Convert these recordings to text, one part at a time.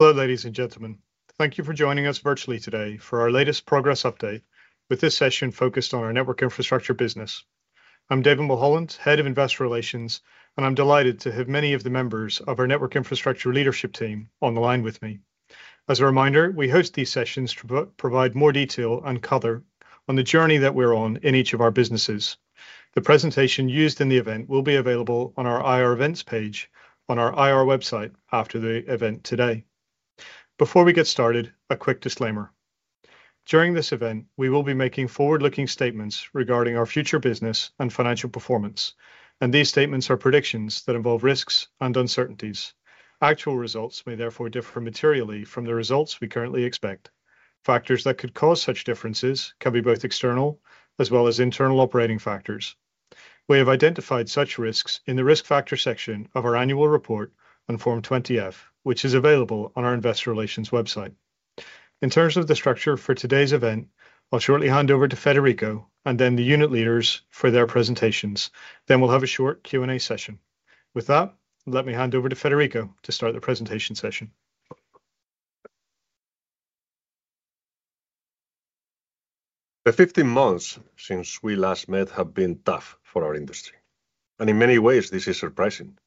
Hello, ladies and gentlemen. Thank you for joining us virtually today for our latest progress update, with this session focused on our network infrastructure business. I'm David Mulholland, Head of Investor Relations, and I'm delighted to have many of the members of our network infrastructure leadership team on the line with me. As a reminder, we host these sessions to provide more detail and color on the journey that we're on in each of our businesses. The presentation used in the event will be available on our IR events page on our IR website after the event today. Before we get started, a quick disclaimer. During this event, we will be making forward-looking statements regarding our future business and financial performance, and these statements are predictions that involve risks and uncertainties. Actual results may therefore differ materially from the results we currently expect. Factors that could cause such differences can be both external as well as internal operating factors. We have identified such risks in the risk factors section of our annual report on Form 20-F, which is available on our investor relations website. In terms of the structure for today's event, I'll shortly hand over to Federico and then the unit leaders for their presentations. Then we'll have a short Q&A session. With that, let me hand over to Federico to start the presentation session. The fifteen months since we last met have been tough for our industry, and in many ways, this is surprising.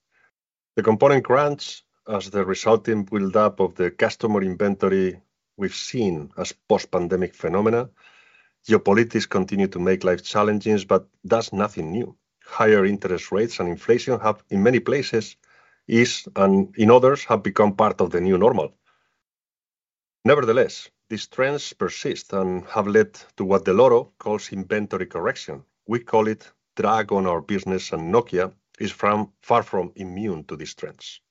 The component shortages and the resulting build-up of the customer inventory we've seen, as post-pandemic phenomena, geopolitics continue to make life challenging, but that's nothing new. Higher interest rates and inflation have, in many places, eased, and in others, have become part of the new normal. Nevertheless, these trends persist and have led to what Dell'Oro calls inventory correction. We call it drag on our business, and Nokia is far from immune to these trends.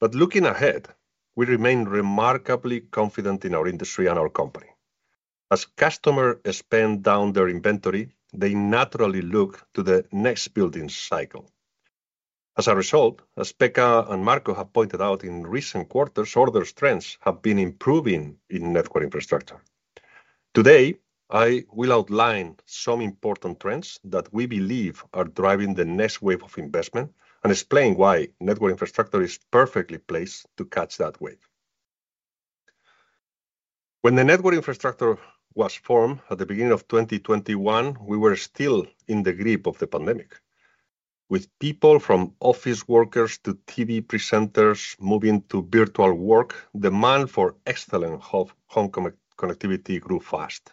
Looking ahead, we remain remarkably confident in our industry and our company. As customers spend down their inventory, they naturally look to the next building cycle. As a result, as Pekka and Marco have pointed out, in recent quarters, order trends have been improving in network infrastructure. Today, I will outline some important trends that we believe are driving the next wave of investment and explain why network infrastructure is perfectly placed to catch that wave. When the network infrastructure was formed at the beginning of 2021, we were still in the grip of the pandemic, with people from office workers to TV presenters moving to virtual work. Demand for excellent home connectivity grew fast,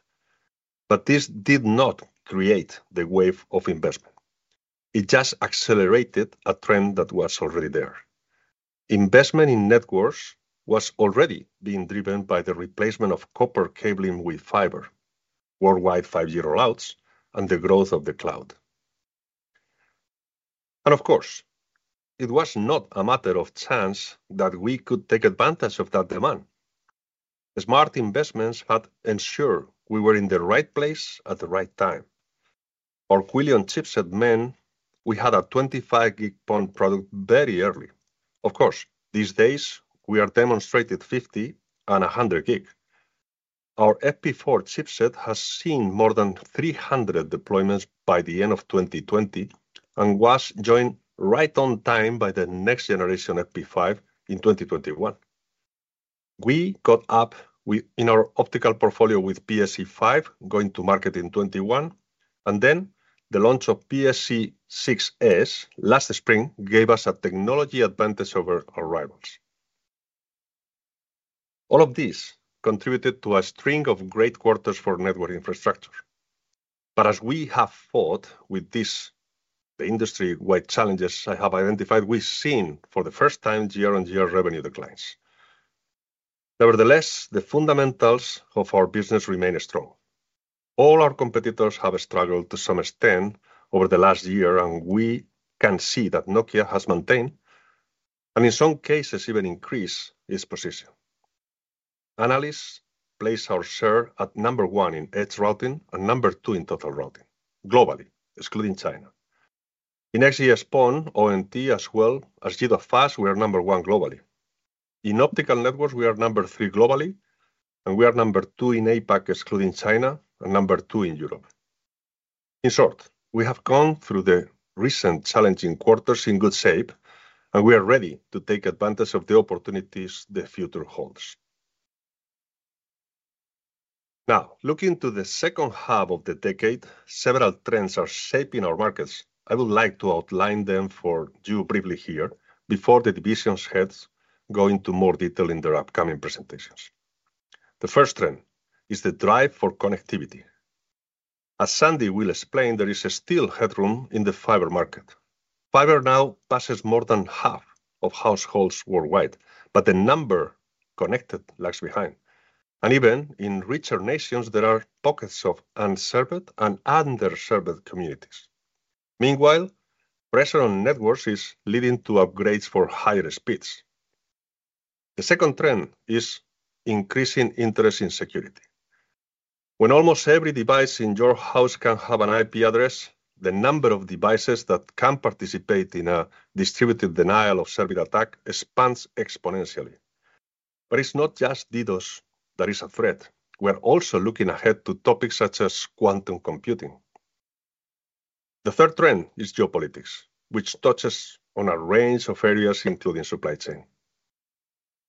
but this did not create the wave of investment. It just accelerated a trend that was already there. Investment in networks was already being driven by the replacement of copper cabling with fiber, worldwide 5G rollouts, and the growth of the cloud, and of course, it was not a matter of chance that we could take advantage of that demand. Smart investments had ensured we were in the right place at the right time. Our Quillion chipset meant we had a 25 Gb PON product very early. Of course, these days, we have demonstrated 50 and 100 Gb. Our FP4 chipset has seen more than 300 deployments by the end of 2020 and was joined right on time by the next generation, FP5, in 2021. We caught up with in our optical portfolio with PSE-5, going to market in 2021, and then the launch of PSE-6s last spring gave us a technology advantage over our rivals. All of this contributed to a string of great quarters for network infrastructure. But as we have fought with these, the industry-wide challenges I have identified, we've seen for the first time year-on-year revenue declines. Nevertheless, the fundamentals of our business remain strong. All our competitors have struggled to some extent over the last year, and we can see that Nokia has maintained, and in some cases, even increased its position. Analysts place our share at number one in edge routing and number two in total routing globally, excluding China. In XGS-PON, ONT as well as G.fast, we are number one globally. In Optical Networks, we are number three globally, and we are number two in APAC, excluding China, and number two in Europe. In short, we have gone through the recent challenging quarters in good shape, and we are ready to take advantage of the opportunities the future holds. Now, looking to the second half of the decade, several trends are shaping our markets. I would like to outline them for you briefly here before the division heads go into more detail in their upcoming presentations. The first trend is the drive for connectivity. As Sandy will explain, there is still headroom in the fiber market. Fiber now passes more than half of households worldwide, but the number connected lags behind, and even in richer nations, there are pockets of unserved and underserved communities. Meanwhile, pressure on networks is leading to upgrades for higher speeds. The second trend is increasing interest in security. When almost every device in your house can have an IP address, the number of devices that can participate in a distributed denial-of-service attack expands exponentially, but it's not just DDoS that is a threat. We're also looking ahead to topics such as quantum computing... The third trend is geopolitics, which touches on a range of areas, including supply chain.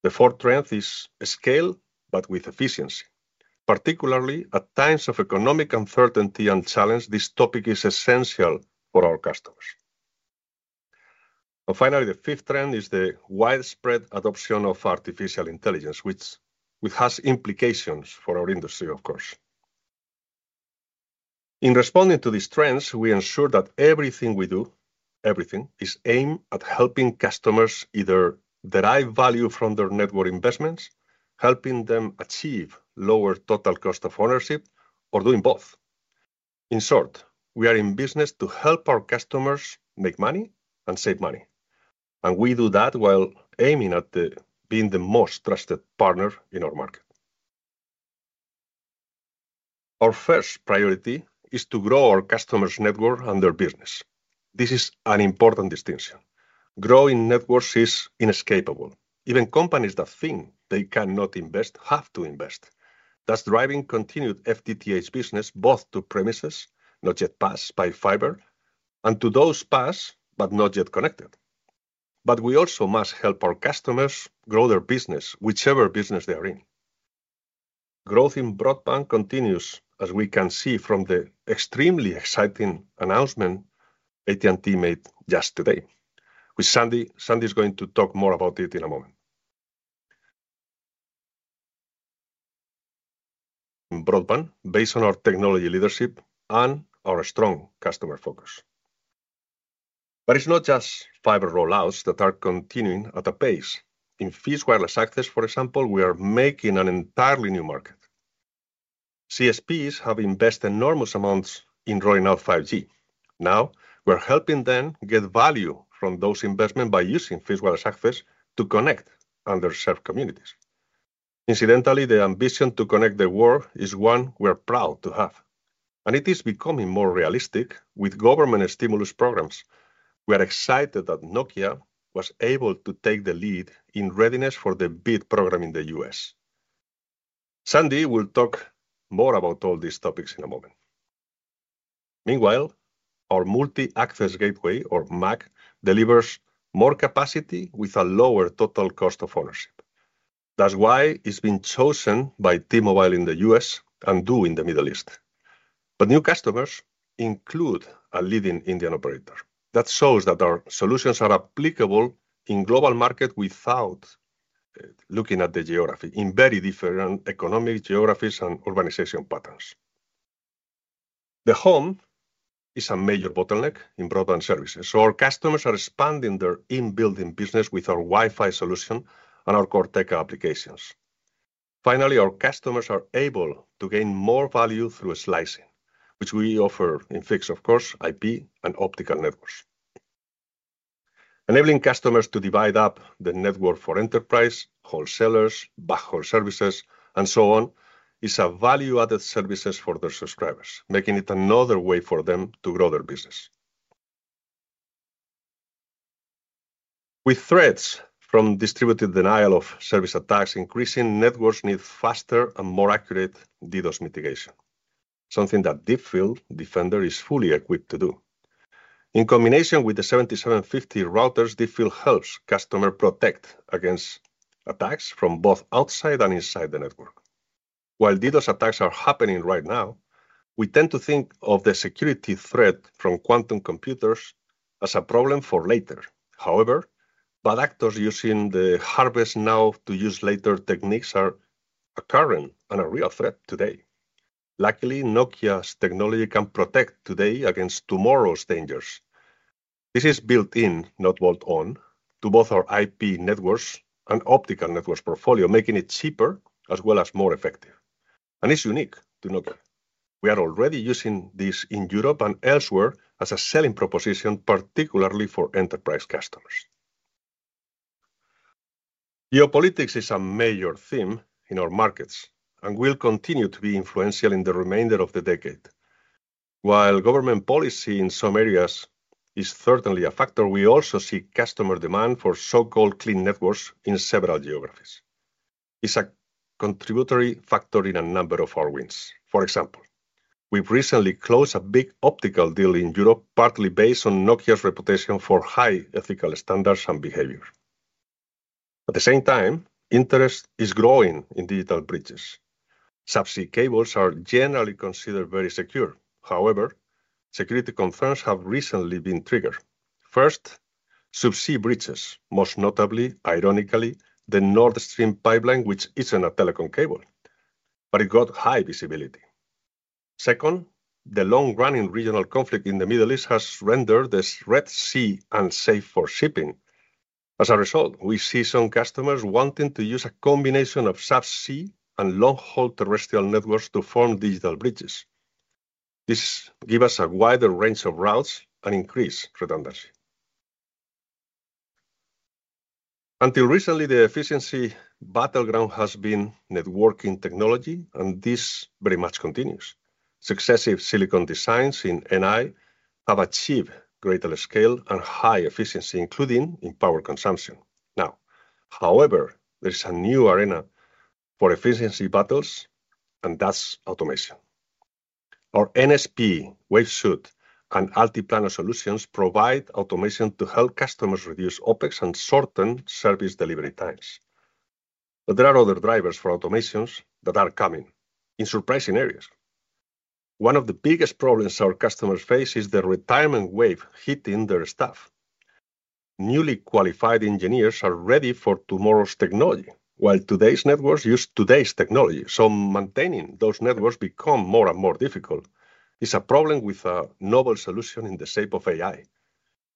The fourth trend is scale, but with efficiency. Particularly at times of economic uncertainty and challenge, this topic is essential for our customers. And finally, the fifth trend is the widespread adoption of artificial intelligence, which has implications for our industry, of course. In responding to these trends, we ensure that everything we do, everything, is aimed at helping customers either derive value from their network investments, helping them achieve lower total cost of ownership, or doing both. In short, we are in business to help our customers make money and save money, and we do that while aiming to be the most trusted partner in our market. Our first priority is to grow our customers' network and their business. This is an important distinction. Growing networks is inescapable. Even companies that think they cannot invest have to invest. That's driving continued FTTH business, both to premises not yet passed by fiber and to those passed but not yet connected. But we also must help our customers grow their business, whichever business they are in. Growth in broadband continues, as we can see from the extremely exciting announcement AT&T made just today, which Sandy is going to talk more about it in a moment. Broadband, based on our technology leadership and our strong customer focus. But it's not just fiber rollouts that are continuing at a pace. In fixed wireless access, for example, we are making an entirely new market. CSPs have invested enormous amounts in rolling out 5G. Now, we're helping them get value from those investment by using fixed wireless access to connect underserved communities. Incidentally, the ambition to connect the world is one we're proud to have, and it is becoming more realistic with government stimulus programs. We are excited that Nokia was able to take the lead in readiness for the bid program in the U.S. Sandy will talk more about all these topics in a moment. Meanwhile, our Multi-Access Gateway or MAG, delivers more capacity with a lower total cost of ownership. That's why it's been chosen by T-Mobile in the U.S. and Du in the Middle East. But new customers include a leading Indian operator. That shows that our solutions are applicable in global market without looking at the geography, in very different economic geographies and organization patterns. The home is a major bottleneck in broadband services, so our customers are expanding their in-building business with our Wi-Fi solution and our Corteca applications. Finally, our customers are able to gain more value through slicing, which we offer in fixed, of course, IP and Optical Networks. Enabling customers to divide up the network for enterprise, wholesalers, backhaul services, and so on, is a value-added services for their subscribers, making it another way for them to grow their business. With threats from distributed denial of service attacks, increasing networks need faster and more accurate DDoS mitigation, something that Deepfield Defender is fully equipped to do. In combination with the 7,750 routers, Deepfield helps customer protect against attacks from both outside and inside the network. While DDoS attacks are happening right now, we tend to think of the security threat from quantum computers as a problem for later. However, bad actors using the harvest now to use later techniques are occurring and a real threat today. Luckily, Nokia's technology can protect today against tomorrow's dangers. This is built in, not bolt on, to both our IP networks and Optical Networks portfolio, making it cheaper as well as more effective, and it's unique to Nokia. We are already using this in Europe and elsewhere as a selling proposition, particularly for enterprise customers. Geopolitics is a major theme in our markets and will continue to be influential in the remainder of the decade. While government policy in some areas is certainly a factor, we also see customer demand for so-called clean networks in several geographies. It's a contributory factor in a number of our wins. For example, we've recently closed a big optical deal in Europe, partly based on Nokia's reputation for high ethical standards and behavior. At the same time, interest is growing in digital bridges. Subsea cables are generally considered very secure. However, security concerns have recently been triggered. First, subsea bridges, most notably, ironically, the Nord Stream pipeline, which isn't a telecom cable, but it got high visibility. Second, the long-running regional conflict in the Middle East has rendered the Red Sea unsafe for shipping. As a result, we see some customers wanting to use a combination of subsea and long-haul terrestrial networks to form digital bridges. This gives us a wider range of routes and increases redundancy. Until recently, the efficiency battleground has been networking technology, and this very much continues. Successive silicon designs in NI have achieved greater scale and high efficiency, including in power consumption. Now, however, there is a new arena for efficiency battles, and that's automation. Our NSP WaveSuite and Multi Planner solutions provide automation to help customers reduce OpEx and shorten service delivery times. But there are other drivers for automation that are coming in surprising areas. One of the biggest problems our customers face is the retirement wave hitting their staff. Newly qualified engineers are ready for tomorrow's technology, while today's networks use today's technology, so maintaining those networks become more and more difficult. It's a problem with a novel solution in the shape of AI.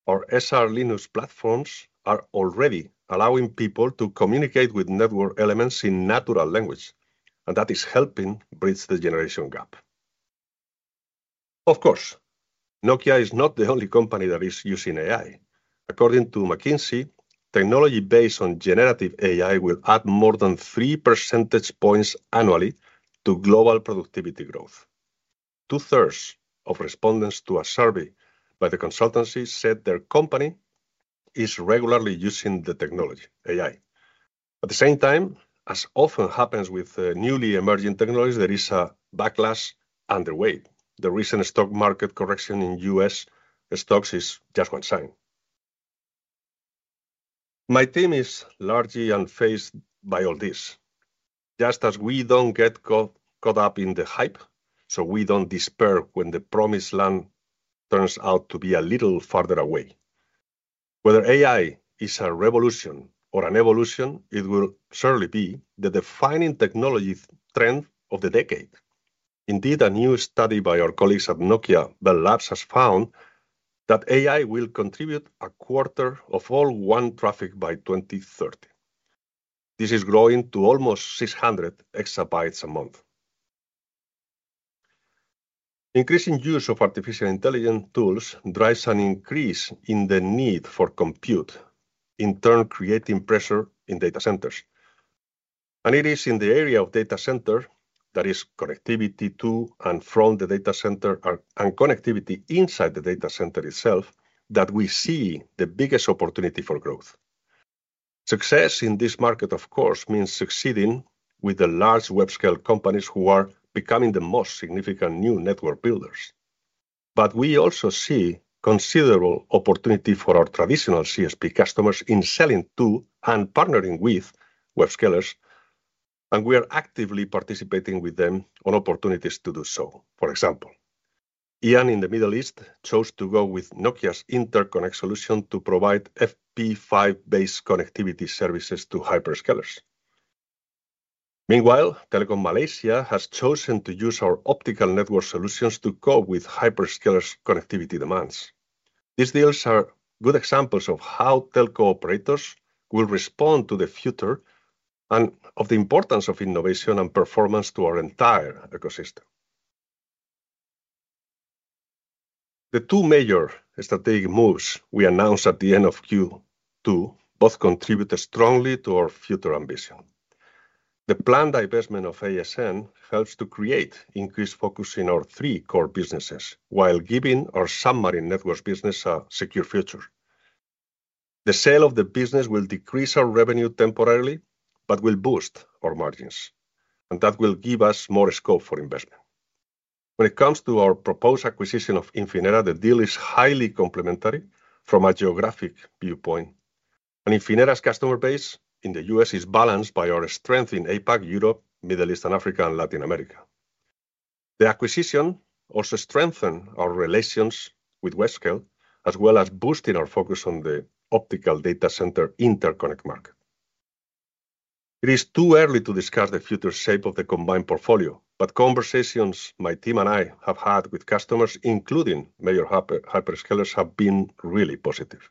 Our SR Linux platforms are already allowing people to communicate with network elements in natural language, and that is helping bridge the generation gap. Of course, Nokia is not the only company that is using AI. According to McKinsey, technology based on generative AI will add more than three percentage points annually to global productivity growth. Two-thirds of respondents to a survey by the consultancy said their company is regularly using the technology, AI. At the same time, as often happens with newly emerging technologies, there is a backlash underway. The recent stock market correction in U.S. stocks is just one sign. My team is largely unfazed by all this. Just as we don't get caught up in the hype, so we don't despair when the promised land turns out to be a little farther away. Whether AI is a revolution or an evolution, it will surely be the defining technology trend of the decade. Indeed, a new study by our colleagues at Nokia Bell Labs has found that AI will contribute a quarter of all WAN traffic by 2030. This is growing to almost 600 EB a month. Increasing use of artificial intelligence tools drives an increase in the need for compute, in turn, creating pressure in data centers. It is in the area of data center, that is connectivity to and from the data center, and connectivity inside the data center itself, that we see the biggest opportunity for growth. Success in this market, of course, means succeeding with the large web-scale companies who are becoming the most significant new network builders. But we also see considerable opportunity for our traditional CSP customers in selling to and partnering with web scalers, and we are actively participating with them on opportunities to do so. For example, e& in the Middle East chose to go with Nokia's interconnect solution to provide FP5-based connectivity services to hyperscalers. Meanwhile, Telekom Malaysia has chosen to use our Optical Network solutions to cope with hyperscalers' connectivity demands. These deals are good examples of how telco operators will respond to the future and of the importance of innovation and performance to our entire ecosystem. The two major strategic moves we announced at the end of Q2 both contributed strongly to our future ambition. The planned divestment of ASN helps to create increased focus in our three core businesses, while giving our submarine networks business a secure future. The sale of the business will decrease our revenue temporarily, but will boost our margins, and that will give us more scope for investment. When it comes to our proposed acquisition of Infinera, the deal is highly complementary from a geographic viewpoint, and Infinera's customer base in the U.S. is balanced by our strength in APAC, Europe, Middle East and Africa, and Latin America. The acquisition also strengthens our relations with web-scale, as well as boosting our focus on the optical data center interconnect market. It is too early to discuss the future shape of the combined portfolio, but conversations my team and I have had with customers, including major hyperscalers, have been really positive.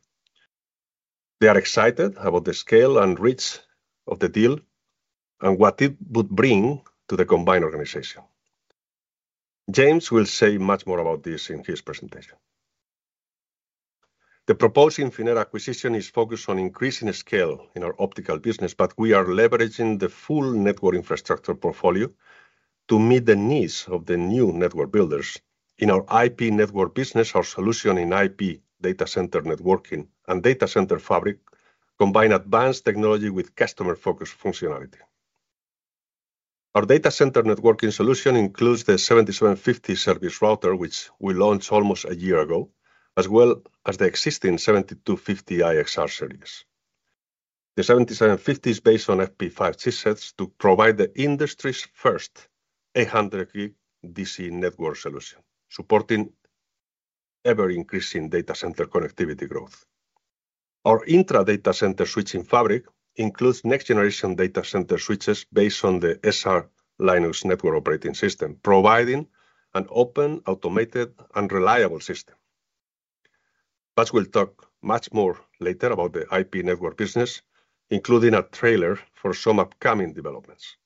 They are excited about the scale and reach of the deal and what it would bring to the combined organization. James will say much more about this in his presentation. The proposed Infinera acquisition is focused on increasing the scale in our optical business, but we are leveraging the full network infrastructure portfolio to meet the needs of the new network builders. In our IP network business, our solution in IP data center networking and data center fabric combines advanced technology with customer-focused functionality. Our data center networking solution includes the 7750 Service Router, which we launched almost a year ago, as well as the existing 7250 IXR series. The 7750 Service Router is based on FP5 chipsets to provide the industry's first 800GE network solution, supporting ever-increasing data center connectivity growth. Our intra data center switching fabric includes next-generation data center switches based on the SR Linux network operating system, providing an open, automated, and reliable system. But we'll talk much more later about the IP network business, including a trailer for some upcoming developments.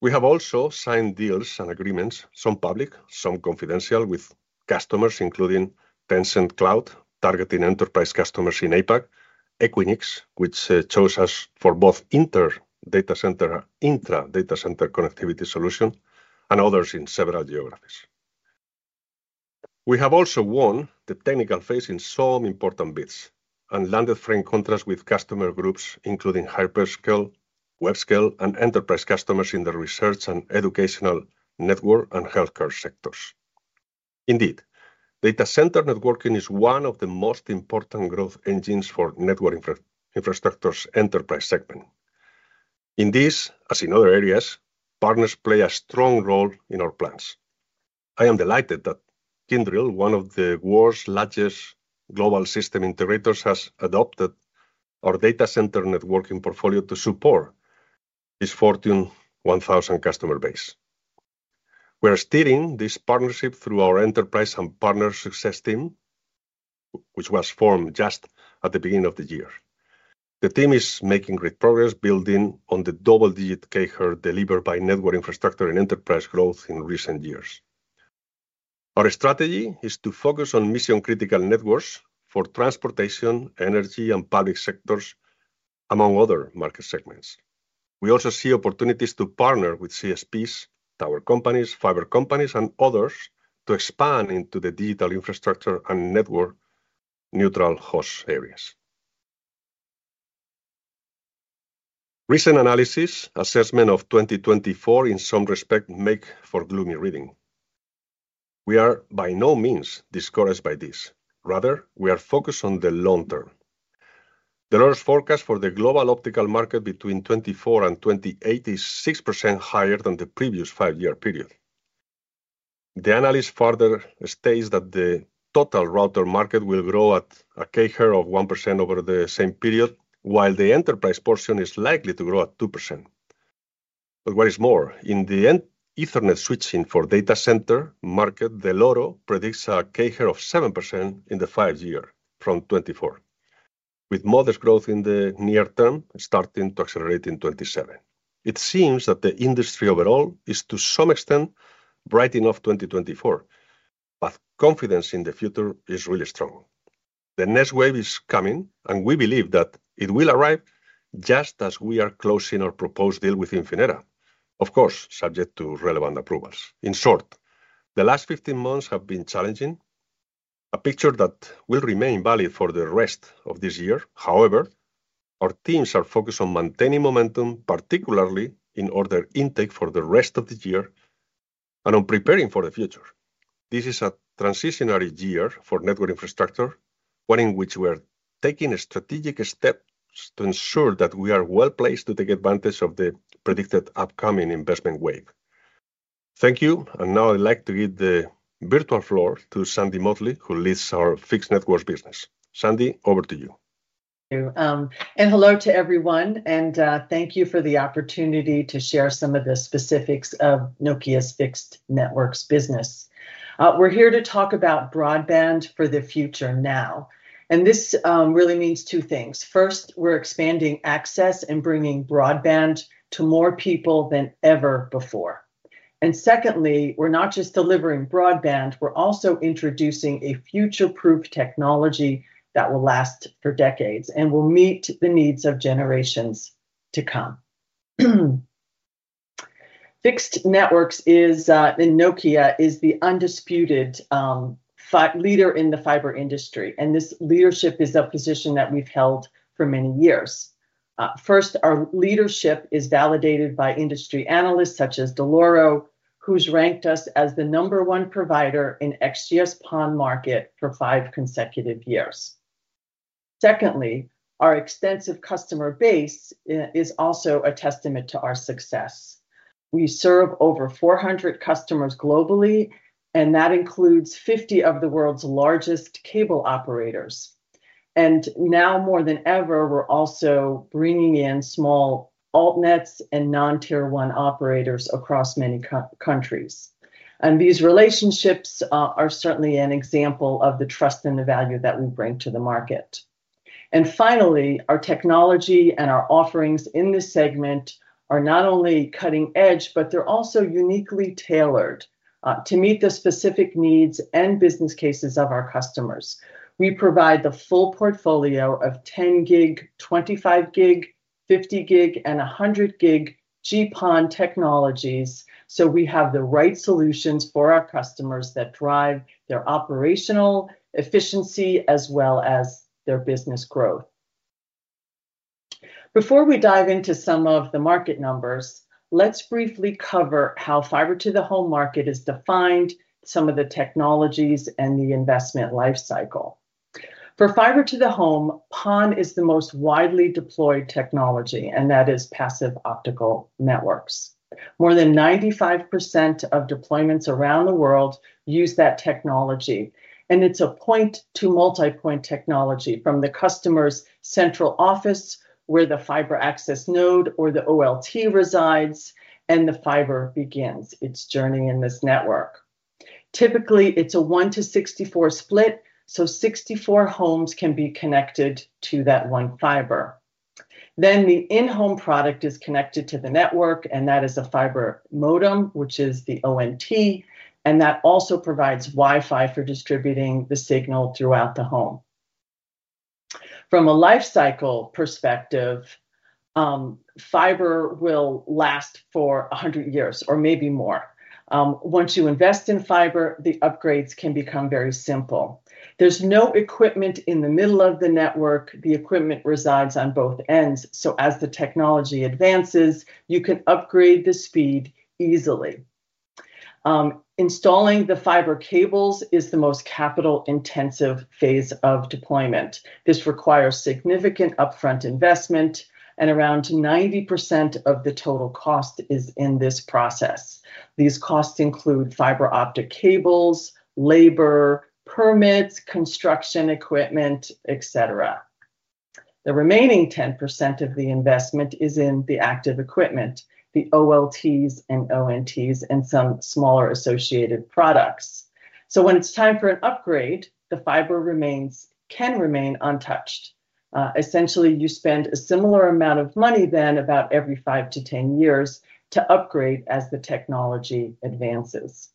We have also signed deals and agreements, some public, some confidential, with customers, including Tencent Cloud targeting enterprise customers in APAC, Equinix, which chose us for both inter-data center, intra-data center connectivity solution, and others in several geographies.... We have also won the technical phase in some important bids and landed frame contracts with customer groups, including hyperscale, web scale, and enterprise customers in the research and educational network and healthcare sectors. Indeed, data center networking is one of the most important growth engines for network infrastructure enterprise segment. In this, as in other areas, partners play a strong role in our plans. I am delighted that Kyndryl, one of the world's largest global system integrators, has adopted our data center networking portfolio to support its Fortune 1000 customer base. We are steering this partnership through our enterprise and partner success team, which was formed just at the beginning of the year. The team is making great progress, building on the double-digit CAGR delivered by network infrastructure and enterprise growth in recent years. Our strategy is to focus on mission-critical networks for transportation, energy, and public sectors, among other market segments. We also see opportunities to partner with CSPs, tower companies, fiber companies, and others to expand into the digital infrastructure and network-neutral host areas. Recent analyst assessment of 2024, in some respect, makes for gloomy reading. We are by no means discouraged by this. Rather, we are focused on the long term. Dell'Oro's forecast for the global optical market between 2024 and 2028 is 6% higher than the previous five-year period. The analyst further states that the total router market will grow at a CAGR of 1% over the same period, while the enterprise portion is likely to grow at 2%. But what is more? In the end, Ethernet switching for data center market, Dell'Oro predicts a CAGR of 7% in the five-year from 2024, with modest growth in the near term starting to accelerate in 2027. It seems that the industry overall is, to some extent, writing off 2024, but confidence in the future is really strong. The next wave is coming, and we believe that it will arrive just as we are closing our proposed deal with Infinera, of course, subject to relevant approvals. In short, the last fifteen months have been challenging, a picture that will remain valid for the rest of this year. However, our teams are focused on maintaining momentum, particularly in order intake for the rest of the year and on preparing for the future. This is a transitionary year for network infrastructure, one in which we are taking strategic steps to ensure that we are well-placed to take advantage of the predicted upcoming investment wave. Thank you, and now I'd like to give the virtual floor to Sandy Motley, who Fixed Networks business. sandy, over to you. Thank you. And hello to everyone, and thank you for the opportunity to share some of the specifics Fixed Networks business. we're here to talk about broadband for the future now, and this really means two things. First, we're expanding access and bringing broadband to more people than ever before. And secondly, we're not just delivering broadband, we're also introducing a future-proof technology that will last for decades and will meet the needs of generations Fixed Networks is in Nokia the undisputed leader in the fiber industry, and this leadership is a position that we've held for many years. First, our leadership is validated by industry analysts such as Dell'Oro, who's ranked us as the number one provider in XGS-PON market for five consecutive years. Secondly, our extensive customer base is also a testament to our success. We serve over 400 customers globally, and that includes 50 of the world's largest cable operators. And now more than ever, we're also bringing in small alt nets and non-tier one operators across many countries. And these relationships are certainly an example of the trust and the value that we bring to the market. And finally, our technology and our offerings in this segment are not only cutting-edge, but they're also uniquely tailored to meet the specific needs and business cases of our customers. We provide the full portfolio of 10 Gb, 25 Gb, 50 Gb, and 100 Gb GPON technologies, so we have the right solutions for our customers that drive their operational efficiency as well as their business growth. Before we dive into some of the market numbers, let's briefly cover how fiber to the home market is defined, some of the technologies, and the investment life cycle. For fiber to the home, PON is the most widely deployed technology, and that is passive Optical Networks. More than 95% of deployments around the world use that technology, and it's a point to multipoint technology from the customer's central office, where the fiber access node or the OLT resides, and the fiber begins its journey in this network. Typically, it's a one to 64 split, so 64 homes can be connected to that one fiber. Then the in-home product is connected to the network, and that is a fiber modem, which is the ONT, and that also provides Wi-Fi for distributing the signal throughout the home. From a life cycle perspective, fiber will last for a 100 years or maybe more. Once you invest in fiber, the upgrades can become very simple. There's no equipment in the middle of the network, the equipment resides on both ends, so as the technology advances, you can upgrade the speed easily. Installing the fiber cables is the most capital-intensive phase of deployment. This requires significant upfront investment, and around 90% of the total cost is in this process. These costs include fiber optic cables, labor, permits, construction equipment, et cetera. The remaining 10% of the investment is in the active equipment, the OLTs and ONTs, and some smaller associated products. When it's time for an upgrade, the fiber remains, can remain untouched. Essentially, you spend a similar amount of money then about every five to 10 years to upgrade as the technology advances.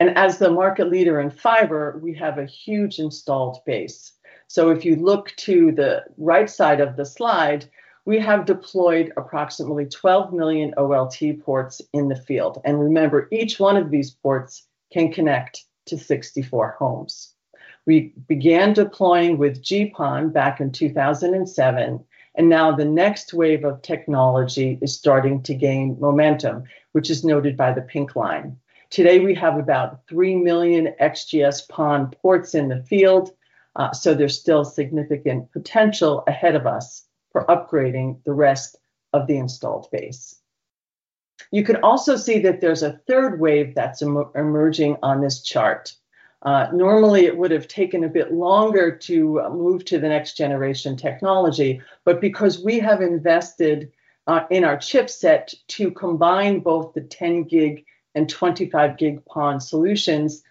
And as the market leader in fiber, we have a huge installed base. So if you look to the right side of the slide, we have deployed approximately 12 million OLT ports in the field, and remember, each one of these ports can connect to 64 homes. We began deploying with GPON back in 2007, and now the next wave of technology is starting to gain momentum, which is noted by the pink line. Today, we have about 3 million XGS-PON ports in the field, so there's still significant potential ahead of us for upgrading the rest of the installed base. You can also see that there's a third wave that's emerging on this chart. Normally, it would have taken a bit longer to move to the next generation technology, but because we have invested in our chipset to combine both the 10 Gb and 25 Gb PON solutions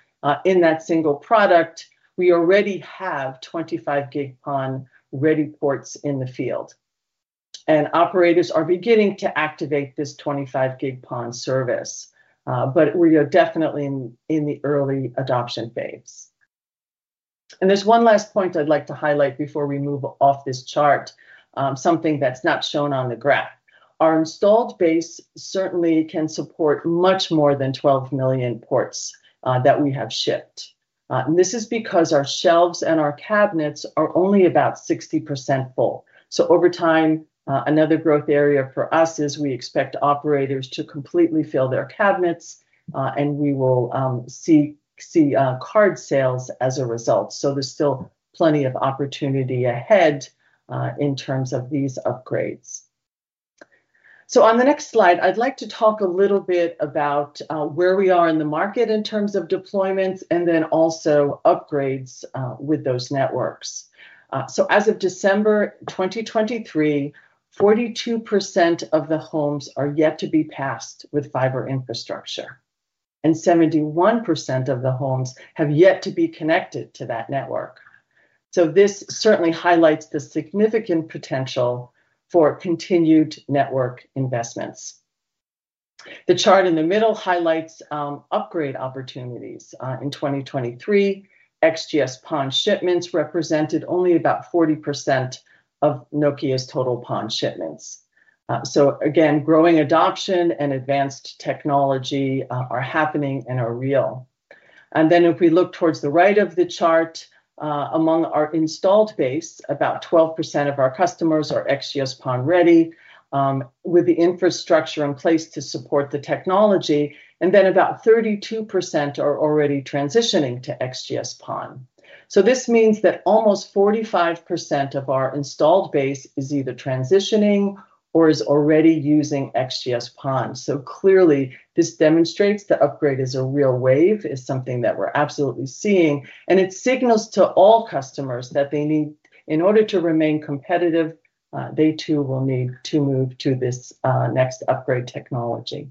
in that single product, we already have 25 Gb PON-ready ports in the field. And operators are beginning to activate this 25 Gb PON service, but we are definitely in the early adoption phase. And there's one last point I'd like to highlight before we move off this chart, something that's not shown on the graph. Our installed base certainly can support much more than 12 million ports that we have shipped. And this is because our shelves and our cabinets are only about 60% full. So over time, another growth area for us is we expect operators to completely fill their cabinets, and we will see card sales as a result. So there's still plenty of opportunity ahead, in terms of these upgrades. So on the next slide, I'd like to talk a little bit about where we are in the market in terms of deployments, and then also upgrades with those networks. So as of December 2023, 42% of the homes are yet to be passed with fiber infrastructure, and 71% of the homes have yet to be connected to that network. So this certainly highlights the significant potential for continued network investments. The chart in the middle highlights upgrade opportunities. In 2023, XGS-PON shipments represented only about 40% of Nokia's total PON shipments. So again, growing adoption and advanced technology are happening and are real. And then if we look towards the right of the chart, among our installed base, about 12% of our customers are XGS-PON ready, with the infrastructure in place to support the technology, and then about 32% are already transitioning to XGS-PON. So this means that almost 45% of our installed base is either transitioning or is already using XGS-PON. So clearly, this demonstrates the upgrade is a real wave, is something that we're absolutely seeing, and it signals to all customers that they need... in order to remain competitive, they too will need to move to this, next upgrade technology.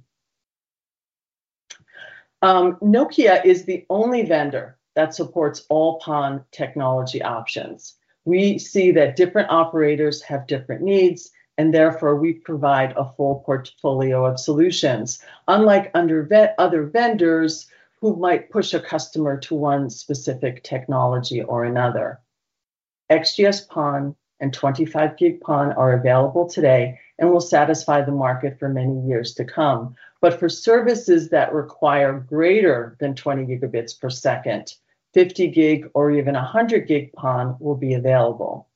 Nokia is the only vendor that supports all PON technology options. We see that different operators have different needs, and therefore, we provide a full portfolio of solutions, unlike other vendors who might push a customer to one specific technology or another. XGS-PON and 25 Gb PON are available today and will satisfy the market for many years to come. But for services that require greater than 20 Gb per second, 50 Gb or even 100 Gb PON will be available.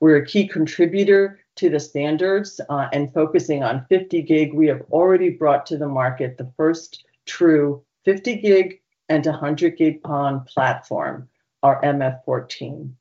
We're a key contributor to the standards, and focusing on 50 Gb, we have already brought to the market the first true 50 Gb and 100 Gb PON platform, our MF-14,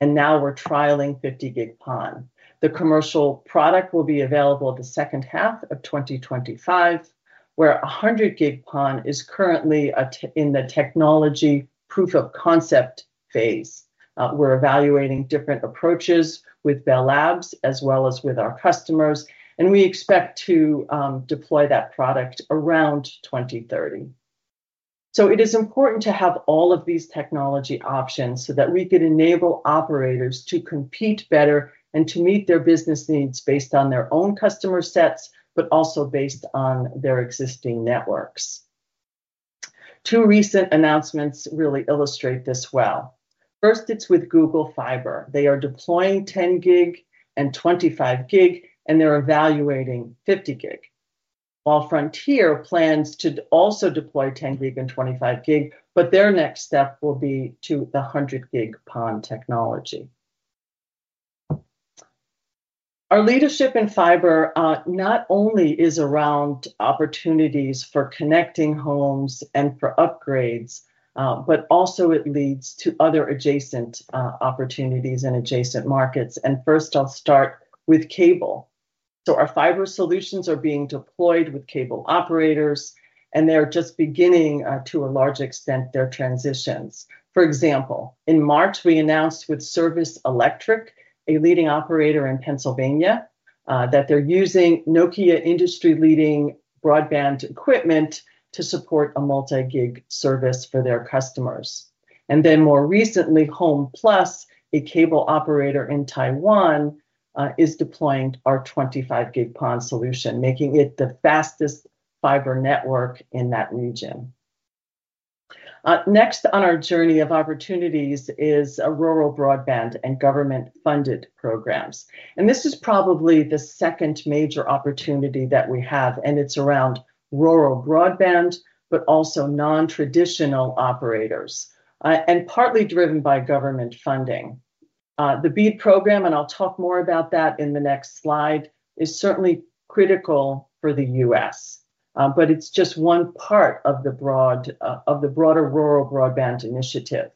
and now we're trialing 50 Gb PON. The commercial product will be available the second half of 2025, where 100 Gb PON is currently in the technology proof of concept phase. We're evaluating different approaches with Bell Labs as well as with our customers, and we expect to deploy that product around 2030. So it is important to have all of these technology options so that we can enable operators to compete better and to meet their business needs based on their own customer sets, but also based on their existing networks. Two recent announcements really illustrate this well. First, it's with Google Fiber. They are deploying 10 GB and 25 Gb, and they're evaluating 50 Gb. While Frontier plans to also deploy 10 Gb and 25 Gb but their next step will be to the 100 Gb PON technology. Our leadership in fiber not only is around opportunities for connecting homes and for upgrades, but also it leads to other adjacent opportunities and adjacent markets, and first I'll start with cable. Our fiber solutions are being deployed with cable operators, and they're just beginning to a large extent their transitions. For example, in March, we announced with Service Electric, a leading operator in Pennsylvania, that they're using Nokia industry-leading broadband equipment to support a multi-gig service for their customers. More recently, Home+, a cable operator in Taiwan, is deploying our 25 Gb PON solution, making it the fastest fiber network in that region. Next on our journey of opportunities is rural broadband and government-funded programs, and this is probably the second major opportunity that we have, and it's around rural broadband, but also non-traditional operators, and partly driven by government funding. The BEAD program, and I'll talk more about that in the next slide, is certainly critical for the U.S., but it's just one part of the broader rural broadband initiative.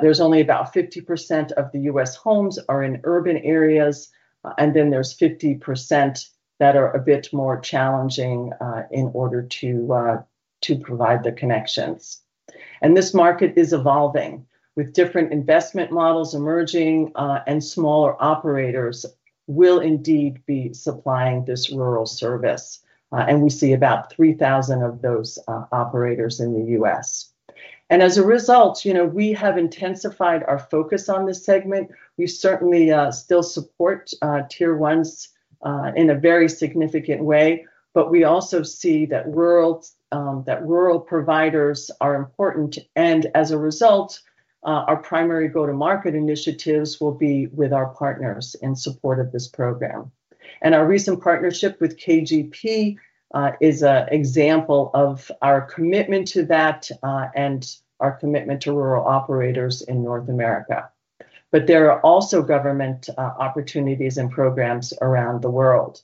There's only about 50% of the U.S. homes are in urban areas, and then there's 50% that are a bit more challenging in order to provide the connections, and this market is evolving, with different investment models emerging, and smaller operators will indeed be supplying this rural service, and we see about 3,000 of those operators in the U.S., and as a result, you know, we have intensified our focus on this segment. We certainly still support tier ones in a very significant way, but we also see that rural providers are important, and as a result, our primary go-to-market initiatives will be with our partners in support of this program, and our recent partnership with KGP is an example of our commitment to that, and our commitment to rural operators in North America. But there are also government opportunities and programs around the world.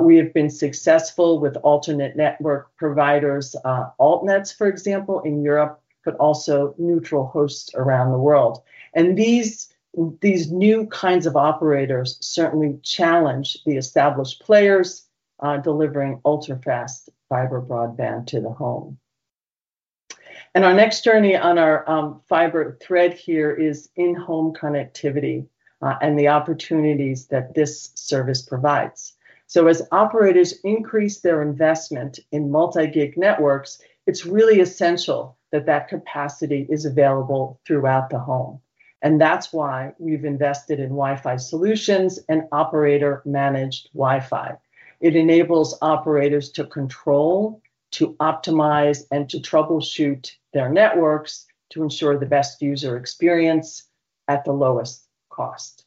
We have been successful with alternate network providers, AltNets, for example, in Europe, but also neutral hosts around the world, and these new kinds of operators certainly challenge the established players, delivering ultra-fast fiber broadband to the home, and our next journey on our fiber thread here is in-home connectivity, and the opportunities that this service provides. So as operators increase their investment in multi-gig networks, it's really essential that that capacity is available throughout the home, and that's why we've invested in Wi-Fi solutions and operator-managed Wi-Fi. It enables operators to control, to optimize, and to troubleshoot their networks to ensure the best user experience at the lowest cost.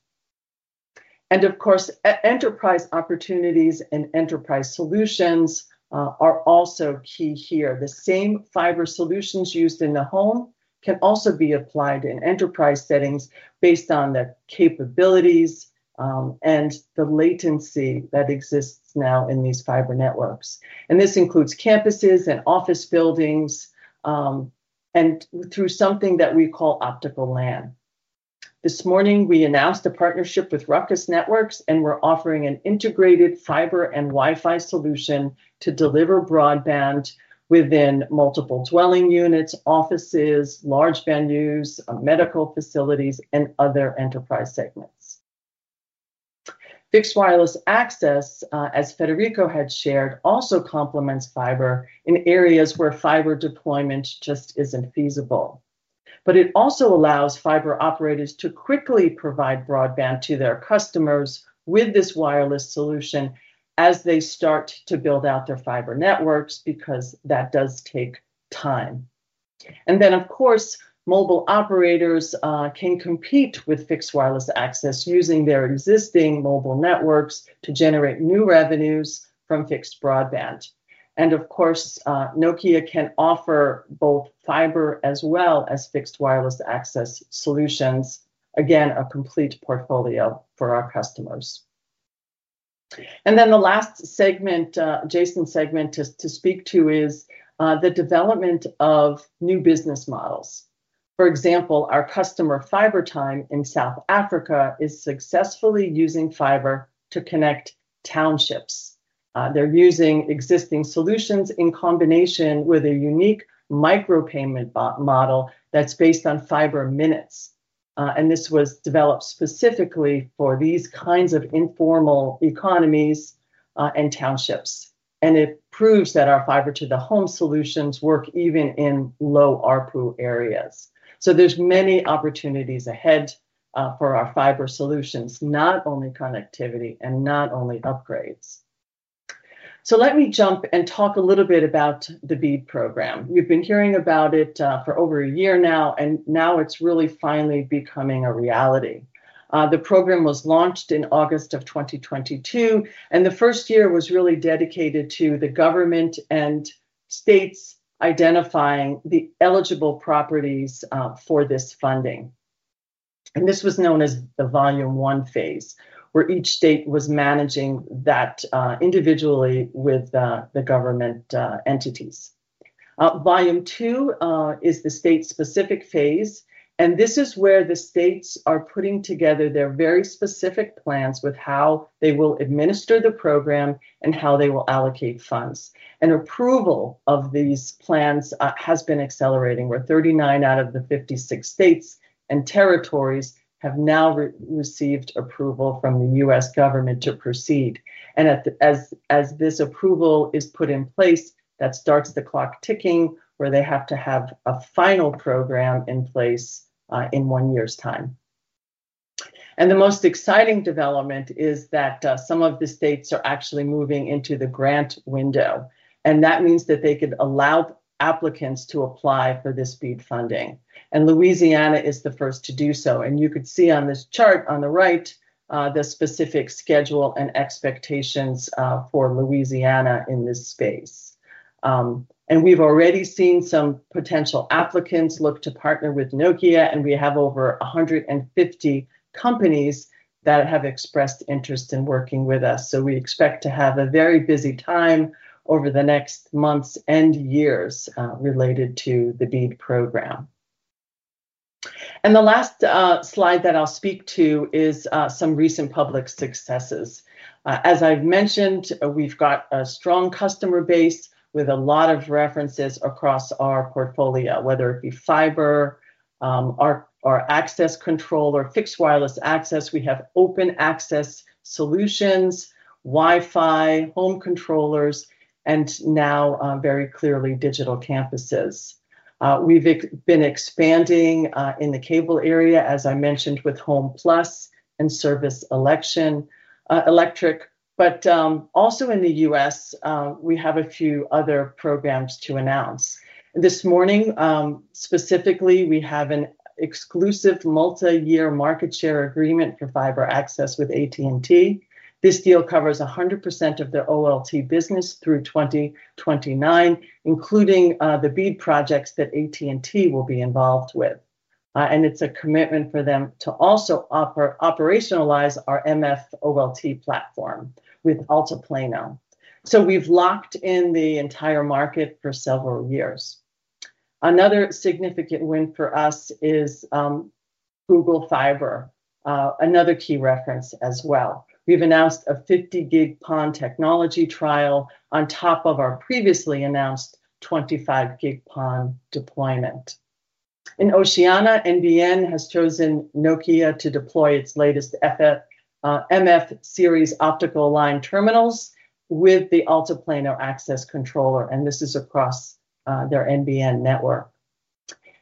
And of course, enterprise opportunities and enterprise solutions are also key here. The same fiber solutions used in the home can also be applied in enterprise settings based on the capabilities, and the latency that exists now in these fiber networks, and this includes campuses and office buildings, and through something that we call optical LAN. This morning, we announced a partnership with Ruckus Networks, and we're offering an integrated fiber and Wi-Fi solution to deliver broadband within multiple dwelling units, offices, large venues, medical facilities, and other enterprise segments. Fixed wireless access, as Federico had shared, also complements fiber in areas where fiber deployment just isn't feasible. But it also allows fiber operators to quickly provide broadband to their customers with this wireless solution as they start to build out their fiber networks, because that does take time. And then, of course, mobile operators can compete with fixed wireless access using their existing mobile networks to generate new revenues from fixed broadband. And of course, Nokia can offer both fiber as well as fixed wireless access solutions, again, a complete portfolio for our customers. And then the last segment, adjacent segment to speak to is the development of new business models. For example, our customer, Fibertime in South Africa, is successfully using fiber to connect townships. They're using existing solutions in combination with a unique micro-payment model that's based on fiber minutes, and this was developed specifically for these kinds of informal economies, and townships. It proves that our fiber to the home solutions work even in low ARPU areas. There's many opportunities ahead for our fiber solutions, not only connectivity and not only upgrades. Let me jump and talk a little bit about the BEAD program. We've been hearing about it for over a year now, and now it's really finally becoming a reality. The program was launched in August of 2022, and the first year was really dedicated to the government and states identifying the eligible properties for this funding. This was known as the Volume One phase, where each state was managing that individually with the government entities. Volume Two is the state-specific phase, and this is where the states are putting together their very specific plans with how they will administer the program and how they will allocate funds. Approval of these plans has been accelerating, where 39 out of the 56 states and territories have now received approval from the U.S. government to proceed. As this approval is put in place, that starts the clock ticking, where they have to have a final program in place in one year's time. And the most exciting development is that, some of the states are actually moving into the grant window, and that means that they could allow applicants to apply for this BEAD funding, and Louisiana is the first to do so. And you could see on this chart on the right, the specific schedule and expectations, for Louisiana in this space. And we've already seen some potential applicants look to partner with Nokia, and we have over 150 companies that have expressed interest in working with us. So we expect to have a very busy time over the next months and years, related to the BEAD program. And the last slide that I'll speak to is, some recent public successes. As I've mentioned, we've got a strong customer base with a lot of references across our portfolio, whether it be fiber, our access control or fixed wireless access. We have open access solutions, Wi-Fi, home controllers, and now, very clearly, digital campuses. We've been expanding in the cable area, as I mentioned, with Home+ and Service Electric. But, also in the U.S., we have a few other programs to announce. This morning, specifically, we have an exclusive multi-year market share agreement for fiber access with AT&T. This deal covers 100% of their OLT business through 2029, including the BEAD projects that AT&T will be involved with. And it's a commitment for them to also operationalize our MF-OLT platform with Altiplano. So we've locked in the entire market for several years. Another significant win for us is Google Fiber, another key reference as well. We've announced a 50 Gb PON technology trial on top of our previously announced 25 Gb PON deployment. In Oceania, NBN has chosen Nokia to deploy its latest MF series optical line terminals with the Altiplano access controller, and this is across their NBN network.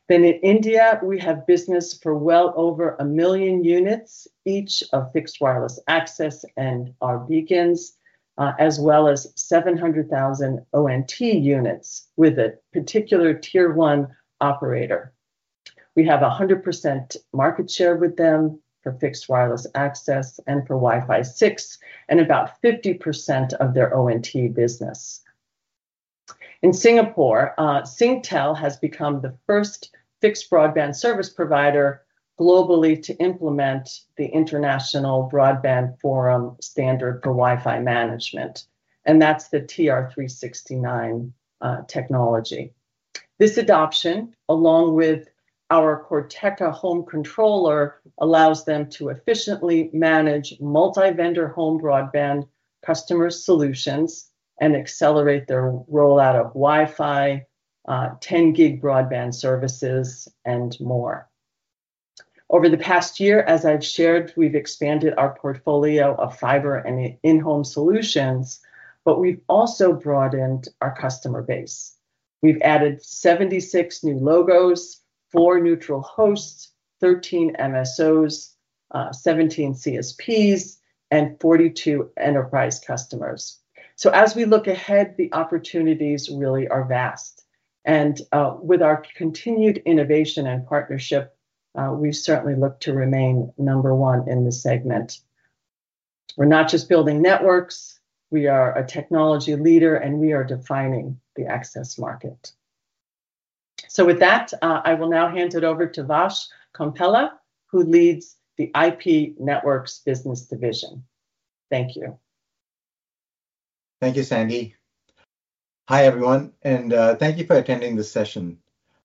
In India, we have business for well over a million units, each of fixed wireless access and our beacons, as well as 700,000 ONT units with a particular tier one operator. We have a 100% market share with them for fixed wireless access and for Wi-Fi 6, and about 50% of their ONT business. In Singapore, Singtel has become the first fixed broadband service provider globally to implement the International Broadband Forum standard for Wi-Fi management, and that's the TR-369 technology. This adoption, along with our Corteca home controller, allows them to efficiently manage multi-vendor home broadband customer solutions and accelerate their rollout of Wi-Fi 10 Gb broadband services, and more. Over the past year, as I've shared, we've expanded our portfolio of fiber and in-home solutions, but we've also broadened our customer base. We've added 76 new logos, four neutral hosts, 13 MSOs, 17 CSPs, and 42 enterprise customers. So as we look ahead, the opportunities really are vast, and with our continued innovation and partnership, we certainly look to remain number one in the segment. We're not just building networks, we are a technology leader, and we are defining the access market. With that, I will now hand it over to Vach Kompella, who leads the IP Networks Business Division. Thank you. Thank you, Sandy. Hi, everyone, and thank you for attending this session.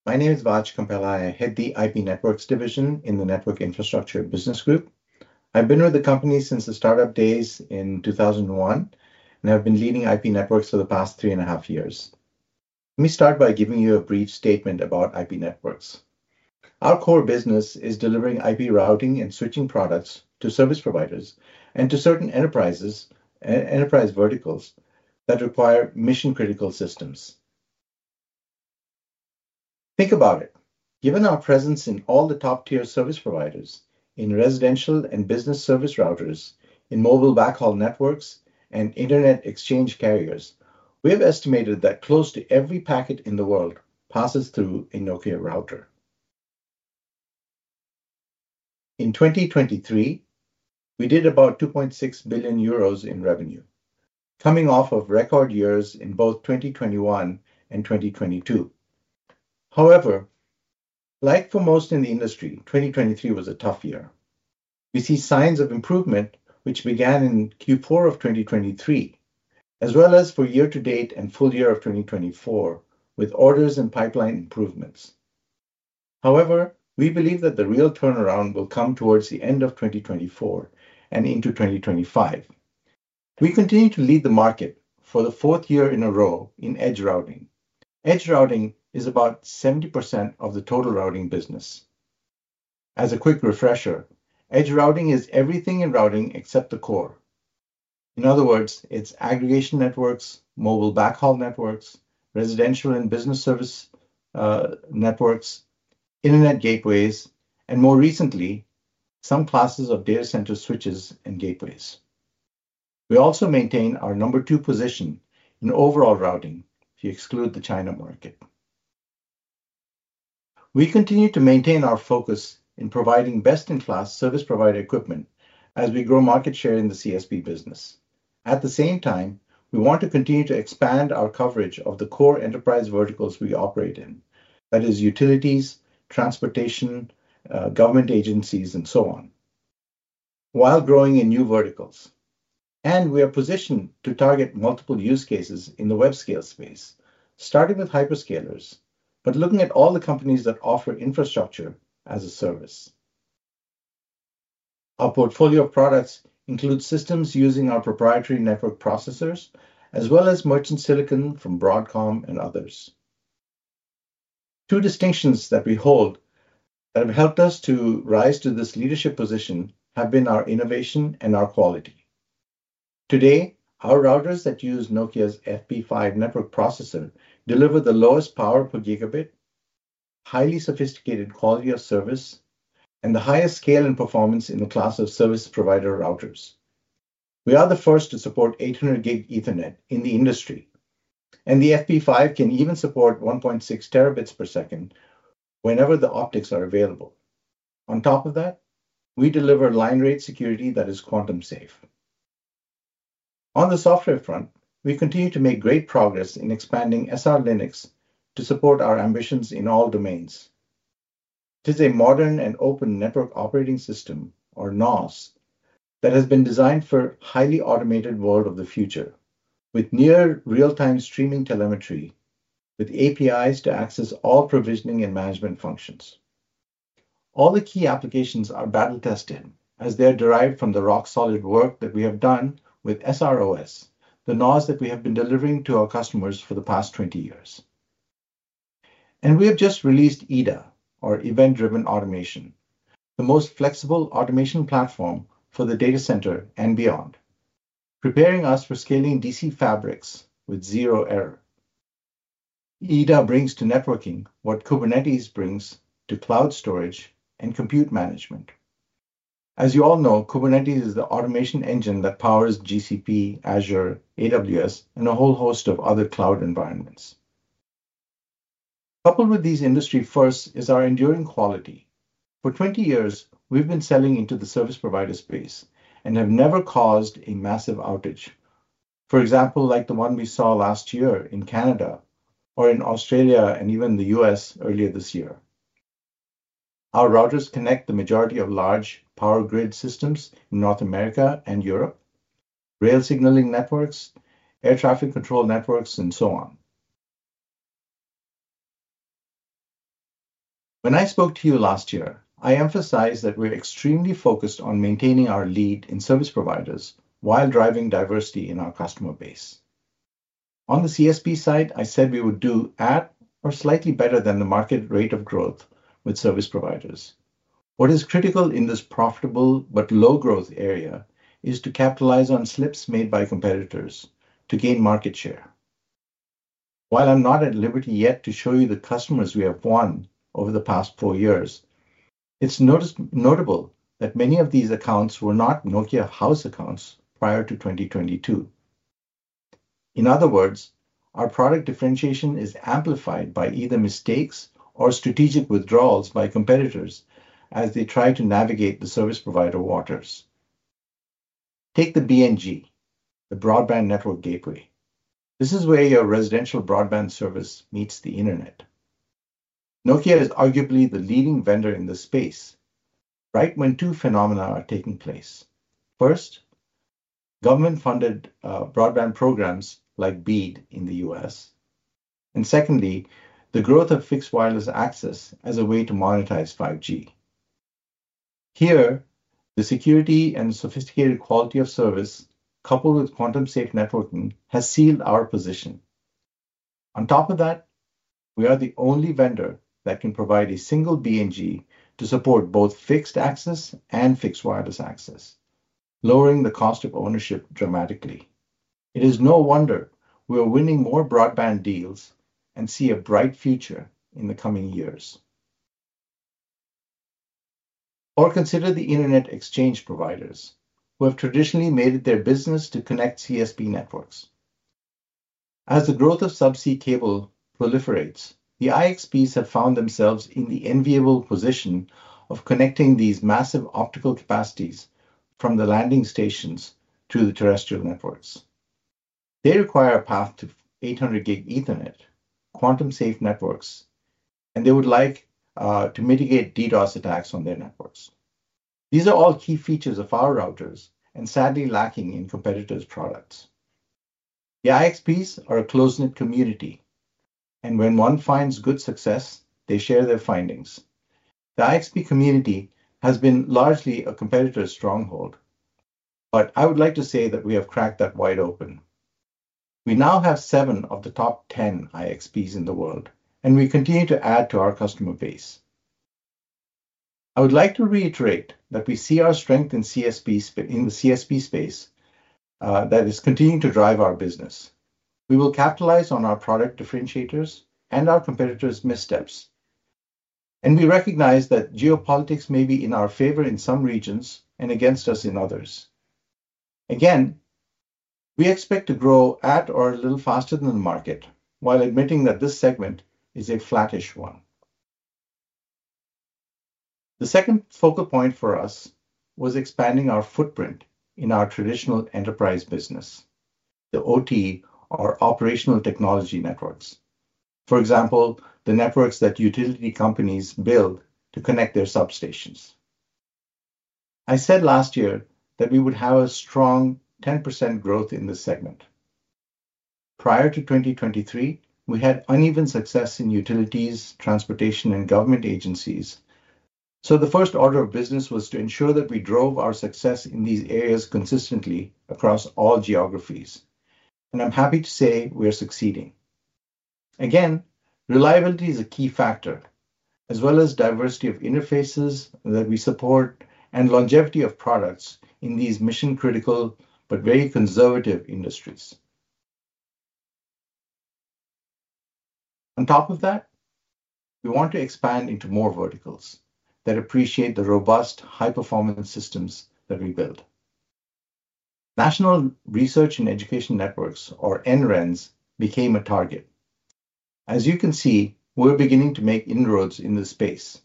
My name is Vach Kompella. I head the IP Networks Division in the Network Infrastructure Business group. I've been with the company since the startup days in two thousand and one, and I've been leading IP Networks for the past three and a half years. Let me start by giving you a brief statement about IP Networks. Our core business is delivering IP routing and switching products to service providers and to certain enterprises, enterprise verticals that require mission-critical systems. Think about it. Given our presence in all the top-tier service providers, in residential and business service routers, in mobile backhaul networks, and internet exchange carriers, we have estimated that close to every packet in the world passes through a Nokia router. In 2023, we did about 2.6 billion euros in revenue, coming off of record years in both 2021 and 2022. However, like for most in the industry, 2023 was a tough year. We see signs of improvement, which began in Q4 of 2023, as well as for year to date and full year of 2024, with orders and pipeline improvements. However, we believe that the real turnaround will come towards the end of 2024 and into 2025. We continue to lead the market for the fourth year in a row in edge routing. Edge routing is about 70% of the total routing business. As a quick refresher, edge routing is everything in routing except the core. In other words, it's aggregation networks, mobile backhaul networks, residential and business service networks, internet gateways, and more recently, some classes of data center switches and gateways. We also maintain our number two position in overall routing, if you exclude the China market. We continue to maintain our focus in providing best-in-class service provider equipment as we grow market share in the CSP business. At the same time, we want to continue to expand our coverage of the core enterprise verticals we operate in. That is utilities, transportation, government agencies, and so on, while growing in new verticals, and we are positioned to target multiple use cases in the web-scale space, starting with hyperscalers, but looking at all the companies that offer infrastructure as a service. Our portfolio of products includes systems using our proprietary network processors, as well as merchant silicon from Broadcom and others. Two distinctions that we hold that have helped us to rise to this leadership position have been our innovation and our quality. Today, our routers that use Nokia's FP5 network processor deliver the lowest power per Gigabit, highly sophisticated quality of service, and the highest scale and performance in the class of service provider routers. We are the first to support 800 Gb Ethernet in the industry, and the FP5 can even support 1.6 Tb per second whenever the optics are available. On top of that, we deliver line rate security that is quantum-safe. On the software front, we continue to make great progress in expanding SR Linux to support our ambitions in all domains. It is a modern and open Network Operating System, or NOS, that has been designed for highly automated world of the future, with near real-time streaming telemetry, with APIs to access all provisioning and management functions. All the key applications are battle-tested, as they are derived from the rock-solid work that we have done with SR OS, the NOS that we have been delivering to our customers for the past 20 years, and we have just released EDA, or Event-Driven Automation, the most flexible automation platform for the data center and beyond, preparing us for scaling DC fabrics with zero error. EDA brings to networking what Kubernetes brings to cloud storage and compute management. As you all know, Kubernetes is the automation engine that powers GCP, Azure, AWS, and a whole host of other cloud environments. Coupled with these industry firsts is our enduring quality. For 20 years, we've been selling into the service provider space and have never caused a massive outage. For example, like the one we saw last year in Canada or in Australia, and even the U.S. earlier this year. Our routers connect the majority of large power grid systems in North America and Europe, rail signaling networks, air traffic control networks, and so on. When I spoke to you last year, I emphasized that we're extremely focused on maintaining our lead in service providers while driving diversity in our customer base. On the CSP side, I said we would do at or slightly better than the market rate of growth with service providers. What is critical in this profitable but low-growth area is to capitalize on slips made by competitors to gain market share. While I'm not at liberty yet to show you the customers we have won over the past four years, it's notable that many of these accounts were not Nokia house accounts prior to 2022. In other words, our product differentiation is amplified by either mistakes or strategic withdrawals by competitors as they try to navigate the service provider waters. Take the BNG, the Broadband Network Gateway. This is where your residential broadband service meets the internet. Nokia is arguably the leading vendor in this space, right when two phenomena are taking place. First, government-funded broadband programs like BEAD in the U.S. And secondly, the growth of fixed wireless access as a way to monetize 5G. Here, the security and sophisticated quality of service, coupled with quantum-safe networking, has sealed our position. On top of that, we are the only vendor that can provide a single BNG to support both fixed access and fixed wireless access, lowering the cost of ownership dramatically. It is no wonder we are winning more broadband deals and see a bright future in the coming years. Or consider the internet exchange providers, who have traditionally made it their business to connect CSP networks. As the growth of subsea cable proliferates, the IXPs have found themselves in the enviable position of connecting these massive optical capacities from the landing stations to the terrestrial networks. They require a path to 800 Gb Ethernet, quantum-safe networks, and they would like to mitigate DDoS attacks on their networks. These are all key features of our routers and sadly lacking in competitors' products. The IXPs are a close-knit community, and when one finds good success, they share their findings. The IXP community has been largely a competitor's stronghold, but I would like to say that we have cracked that wide open. We now have seven of the top ten IXPs in the world, and we continue to add to our customer base. I would like to reiterate that we see our strength in CSP space, that is continuing to drive our business. We will capitalize on our product differentiators and our competitors' missteps, and we recognize that geopolitics may be in our favor in some regions and against us in others. Again, we expect to grow at or a little faster than the market, while admitting that this segment is a flattish one. The second focal point for us was expanding our footprint in our traditional enterprise business, the OT or Operational Technology networks. For example, the networks that utility companies build to connect their substations. I said last year that we would have a strong 10% growth in this segment. Prior to 2023, we had uneven success in utilities, transportation, and government agencies. So the first order of business was to ensure that we drove our success in these areas consistently across all geographies, and I'm happy to say we are succeeding. Again, reliability is a key factor, as well as diversity of interfaces that we support and longevity of products in these mission-critical, but very conservative industries. On top of that, we want to expand into more verticals that appreciate the robust, high-performance systems that we build. National Research and Education Networks, or NRENs, became a target. As you can see, we're beginning to make inroads in this space.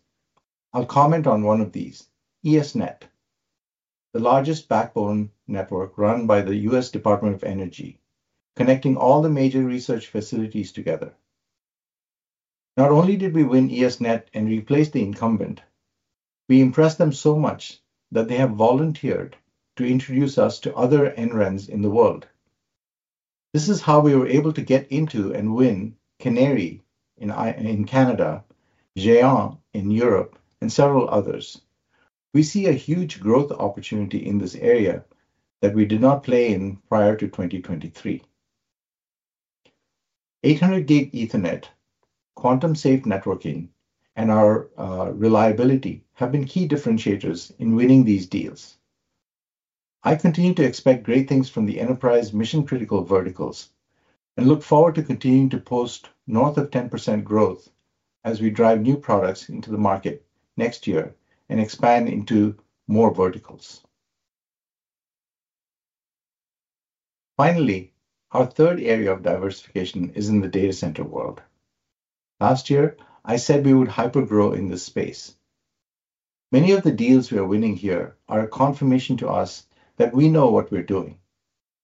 I'll comment on one of these, ESnet, the largest backbone network run by the U.S. Department of Energy, connecting all the major research facilities together. Not only did we win ESnet and replace the incumbent, we impressed them so much that they have volunteered to introduce us to other NRENs in the world. This is how we were able to get into and win CANARIE in Canada, GÉANT in Europe, and several others. We see a huge growth opportunity in this area that we did not play in prior to 2023. 800 Gb Ethernet, quantum-safe networking, and our reliability have been key differentiators in winning these deals. I continue to expect great things from the enterprise mission-critical verticals and look forward to continuing to post north of 10% growth as we drive new products into the market next year and expand into more verticals. Finally, our third area of diversification is in the data center world. Last year, I said we would hyper grow in this space. Many of the deals we are winning here are a confirmation to us that we know what we're doing,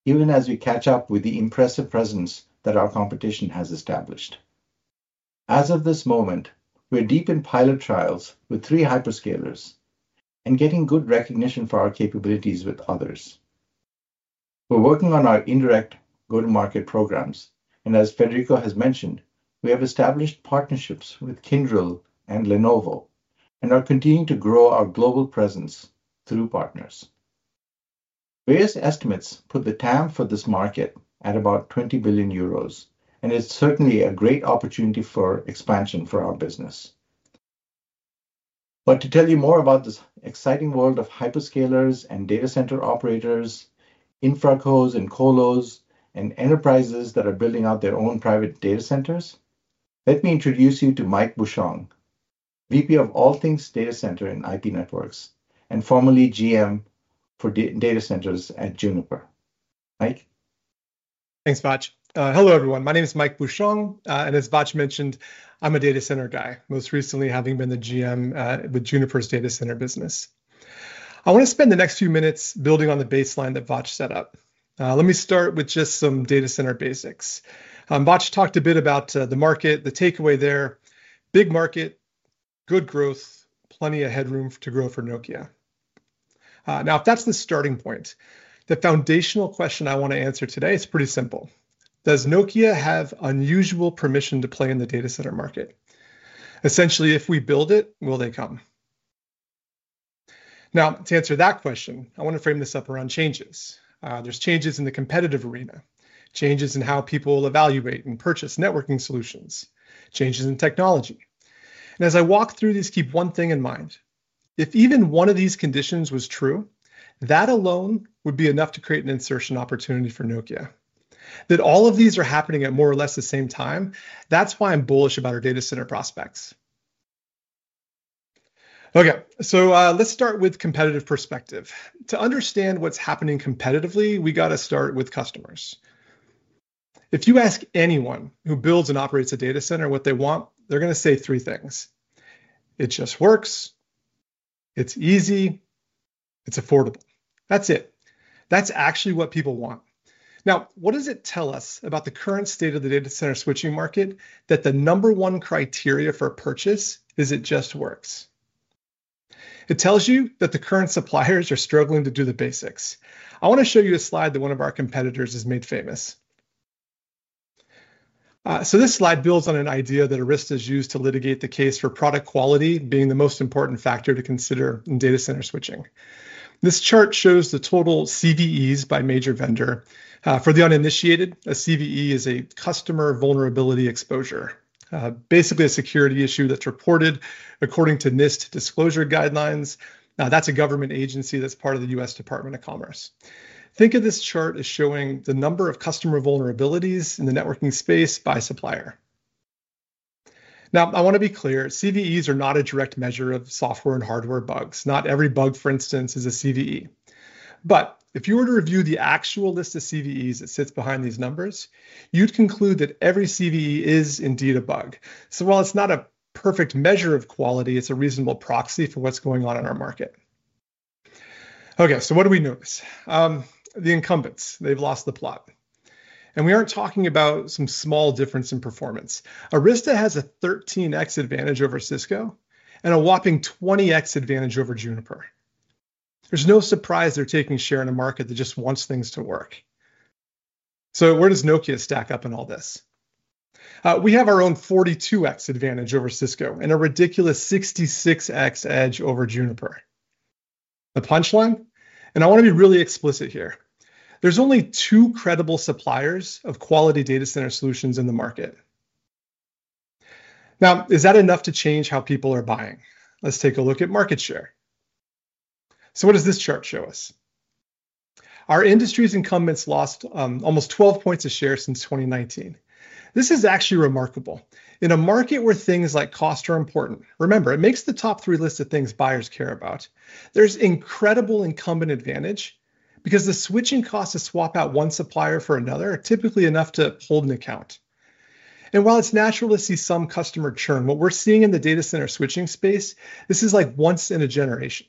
even as we catch up with the impressive presence that our competition has established. As of this moment, we're deep in pilot trials with three hyperscalers and getting good recognition for our capabilities with others. We're working on our indirect go-to-market programs, and as Federico has mentioned, we have established partnerships with Kyndryl and Lenovo and are continuing to grow our global presence through partners. Various estimates put the TAM for this market at about 20 billion euros, and it's certainly a great opportunity for expansion for our business. But to tell you more about this exciting world of hyperscalers and data center operators, infracos and colos and enterprises that are building out their own private data centers, let me introduce you to Mike Bushong, VP of all things data center and IP networks, and formerly GM for data centers at Juniper. Mike? Thanks, Vach. Hello, everyone. My name is Mike Bushong, and as Vach mentioned, I'm a data center guy. Most recently having been the GM, with Juniper's data center business. I want to spend the next few minutes building on the baseline that Vach set up. Let me start with just some data center basics. Vach talked a bit about the market, the takeaway there, big market, good growth, plenty of headroom to grow for Nokia. Now, if that's the starting point, the foundational question I want to answer today is pretty simple: Does Nokia have unusual permission to play in the data center market? Essentially, if we build it, will they come? Now, to answer that question, I want to frame this up around changes. There's changes in the competitive arena, changes in how people evaluate and purchase networking solutions, changes in technology, and as I walk through this, keep one thing in mind: If even one of these conditions was true, that alone would be enough to create an insertion opportunity for Nokia. That all of these are happening at more or less the same time, that's why I'm bullish about our data center prospects. Okay, so, let's start with competitive perspective. To understand what's happening competitively, we got to start with customers. If you ask anyone who builds and operates a data center what they want, they're going to say three things: it just works, it's easy, it's affordable. That's it. That's actually what people want. Now, what does it tell us about the current state of the data center switching market, that the number one criteria for purchase is it just works? It tells you that the current suppliers are struggling to do the basics. I want to show you a slide that one of our competitors has made famous. So this slide builds on an idea that Arista has used to litigate the case for product quality being the most important factor to consider in data center switching. This chart shows the total CVEs by major vendor. For the uninitiated, a CVE is a customer vulnerability exposure, basically a security issue that's reported according to NIST disclosure guidelines. Now, that's a government agency that's part of the U.S. Department of Commerce. Think of this chart as showing the number of customer vulnerabilities in the networking space by supplier. Now, I want to be clear, CVEs are not a direct measure of software and hardware bugs. Not every bug, for instance, is a CVE. But if you were to review the actual list of CVEs that sits behind these numbers, you'd conclude that every CVE is indeed a bug. So while it's not a perfect measure of quality, it's a reasonable proxy for what's going on in our market. Okay, so what do we notice? The incumbents, they've lost the plot, and we aren't talking about some small difference in performance. Arista has a 13x advantage over Cisco and a whopping 20x advantage over Juniper. There's no surprise they're taking share in a market that just wants things to work. So where does Nokia stack up in all this? We have our own 42x advantage over Cisco and a ridiculous 66x edge over Juniper. The punchline, and I want to be really explicit here, there's only two credible suppliers of quality data center solutions in the market. Now, is that enough to change how people are buying? Let's take a look at market share. So what does this chart show us? Our industry's incumbents lost almost 12 points of share since 2019. This is actually remarkable. In a market where things like cost are important, remember, it makes the top three list of things buyers care about, there's incredible incumbent advantage because the switching costs to swap out one supplier for another are typically enough to hold an account. And while it's natural to see some customer churn, what we're seeing in the data center switching space, this is like once in a generation.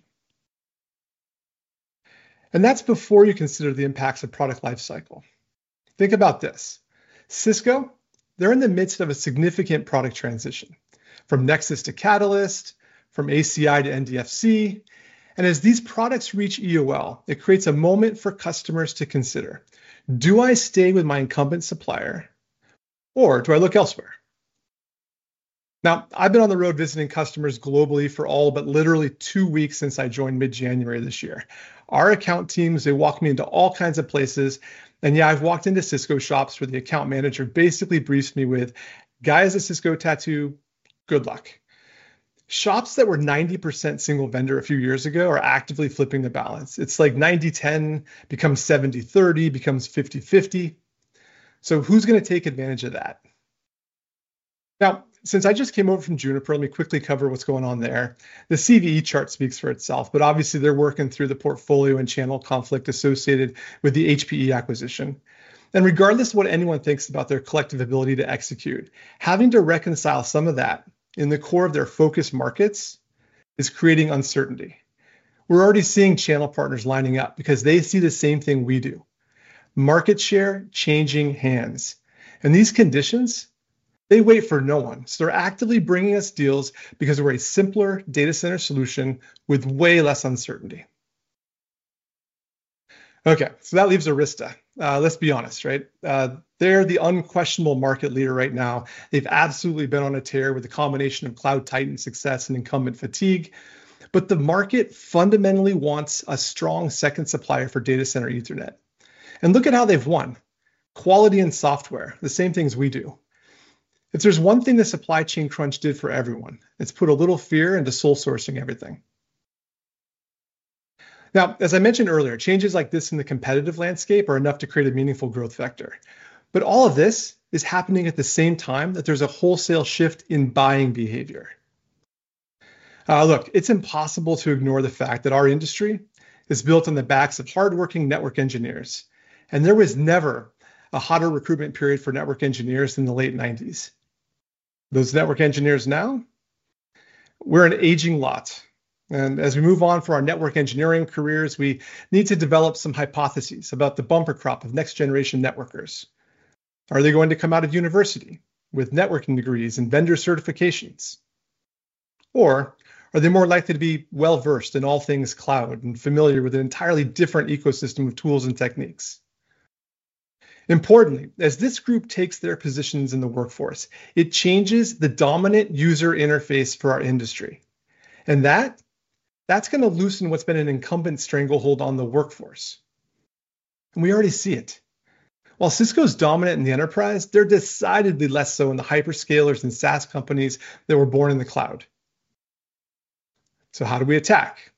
That's before you consider the impacts of product life cycle. Think about this. Cisco, they're in the midst of a significant product transition from Nexus to Catalyst, from ACI to NDFC. As these products reach EOL, it creates a moment for customers to consider, "Do I stay with my incumbent supplier or do I look elsewhere?" Now, I've been on the road visiting customers globally for all, but literally two weeks since I joined mid-January this year. Our account teams, they walk me into all kinds of places, and yeah, I've walked into Cisco shops where the account manager basically briefs me with, "Guy with a Cisco tattoo, good luck." Shops that were 90% single vendor a few years ago are actively flipping the balance. It's like 90/10, becomes 70-30, becomes 50/50. Who's going to take advantage of that? Now, since I just came over from Juniper, let me quickly cover what's going on there. The CVE chart speaks for itself, but obviously, they're working through the portfolio and channel conflict associated with the HPE acquisition, and regardless of what anyone thinks about their collective ability to execute, having to reconcile some of that in the core of their focus markets is creating uncertainty. We're already seeing channel partners lining up because they see the same thing we do, market share changing hands, and these conditions, they wait for no one, so they're actively bringing us deals because we're a simpler data center solution with way less uncertainty. Okay, so that leaves Arista. Let's be honest, right? They're the unquestionable market leader right now. They've absolutely been on a tear with a combination of cloud titan success and incumbent fatigue, but the market fundamentally wants a strong second supplier for data center Ethernet. And look at how they've won, quality and software, the same things we do. If there's one thing the supply chain crunch did for everyone, it's put a little fear into sole sourcing everything. Now, as I mentioned earlier, changes like this in the competitive landscape are enough to create a meaningful growth vector. But all of this is happening at the same time that there's a wholesale shift in buying behavior. Look, it's impossible to ignore the fact that our industry is built on the backs of hardworking network engineers, and there was never a hotter recruitment period for network engineers than the late 1990s. Those network engineers now, we're an aging lot, and as we move on for our network engineering careers, we need to develop some hypotheses about the bumper crop of next-generation networkers. Are they going to come out of university with networking degrees and vendor certifications, or are they more likely to be well-versed in all things cloud and familiar with an entirely different ecosystem of tools and techniques? Importantly, as this group takes their positions in the workforce, it changes the dominant user interface for our industry, and that, that's going to loosen what's been an incumbent stranglehold on the workforce... and we already see it. While Cisco's dominant in the enterprise, they're decidedly less so in the hyperscalers and SaaS companies that were born in the cloud. So how do we attack?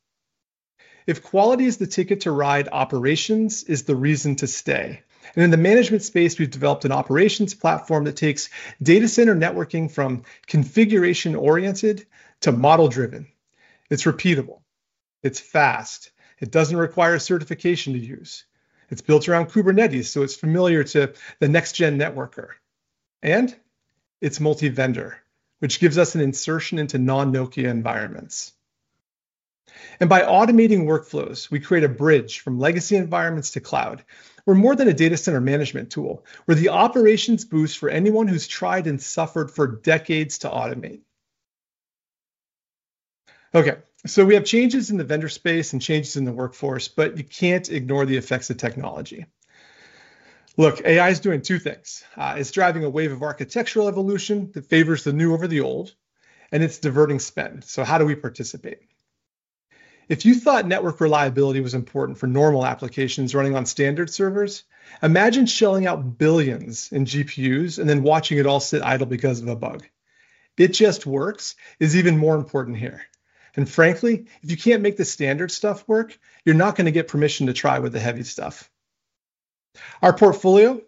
If quality is the ticket to ride, operations is the reason to stay. And in the management space, we've developed an operations platform that takes data center networking from configuration-oriented to model-driven. It's repeatable, it's fast, it doesn't require a certification to use. It's built around Kubernetes, so it's familiar to the next-gen networker, and it's multi-vendor, which gives us an insertion into non-Nokia environments. And by automating workflows, we create a bridge from legacy environments to cloud. We're more than a data center management tool. We're the operations boost for anyone who's tried and suffered for decades to automate. Okay, so we have changes in the vendor space and changes in the workforce, but you can't ignore the effects of technology. Look, AI is doing two things. It's driving a wave of architectural evolution that favors the new over the old, and it's diverting spend. So how do we participate? If you thought network reliability was important for normal applications running on standard servers, imagine shelling out billions in GPUs and then watching it all sit idle because of a bug. "It just works" is even more important here, and frankly, if you can't make the standard stuff work, you're not gonna get permission to try with the heavy stuff. Our portfolio,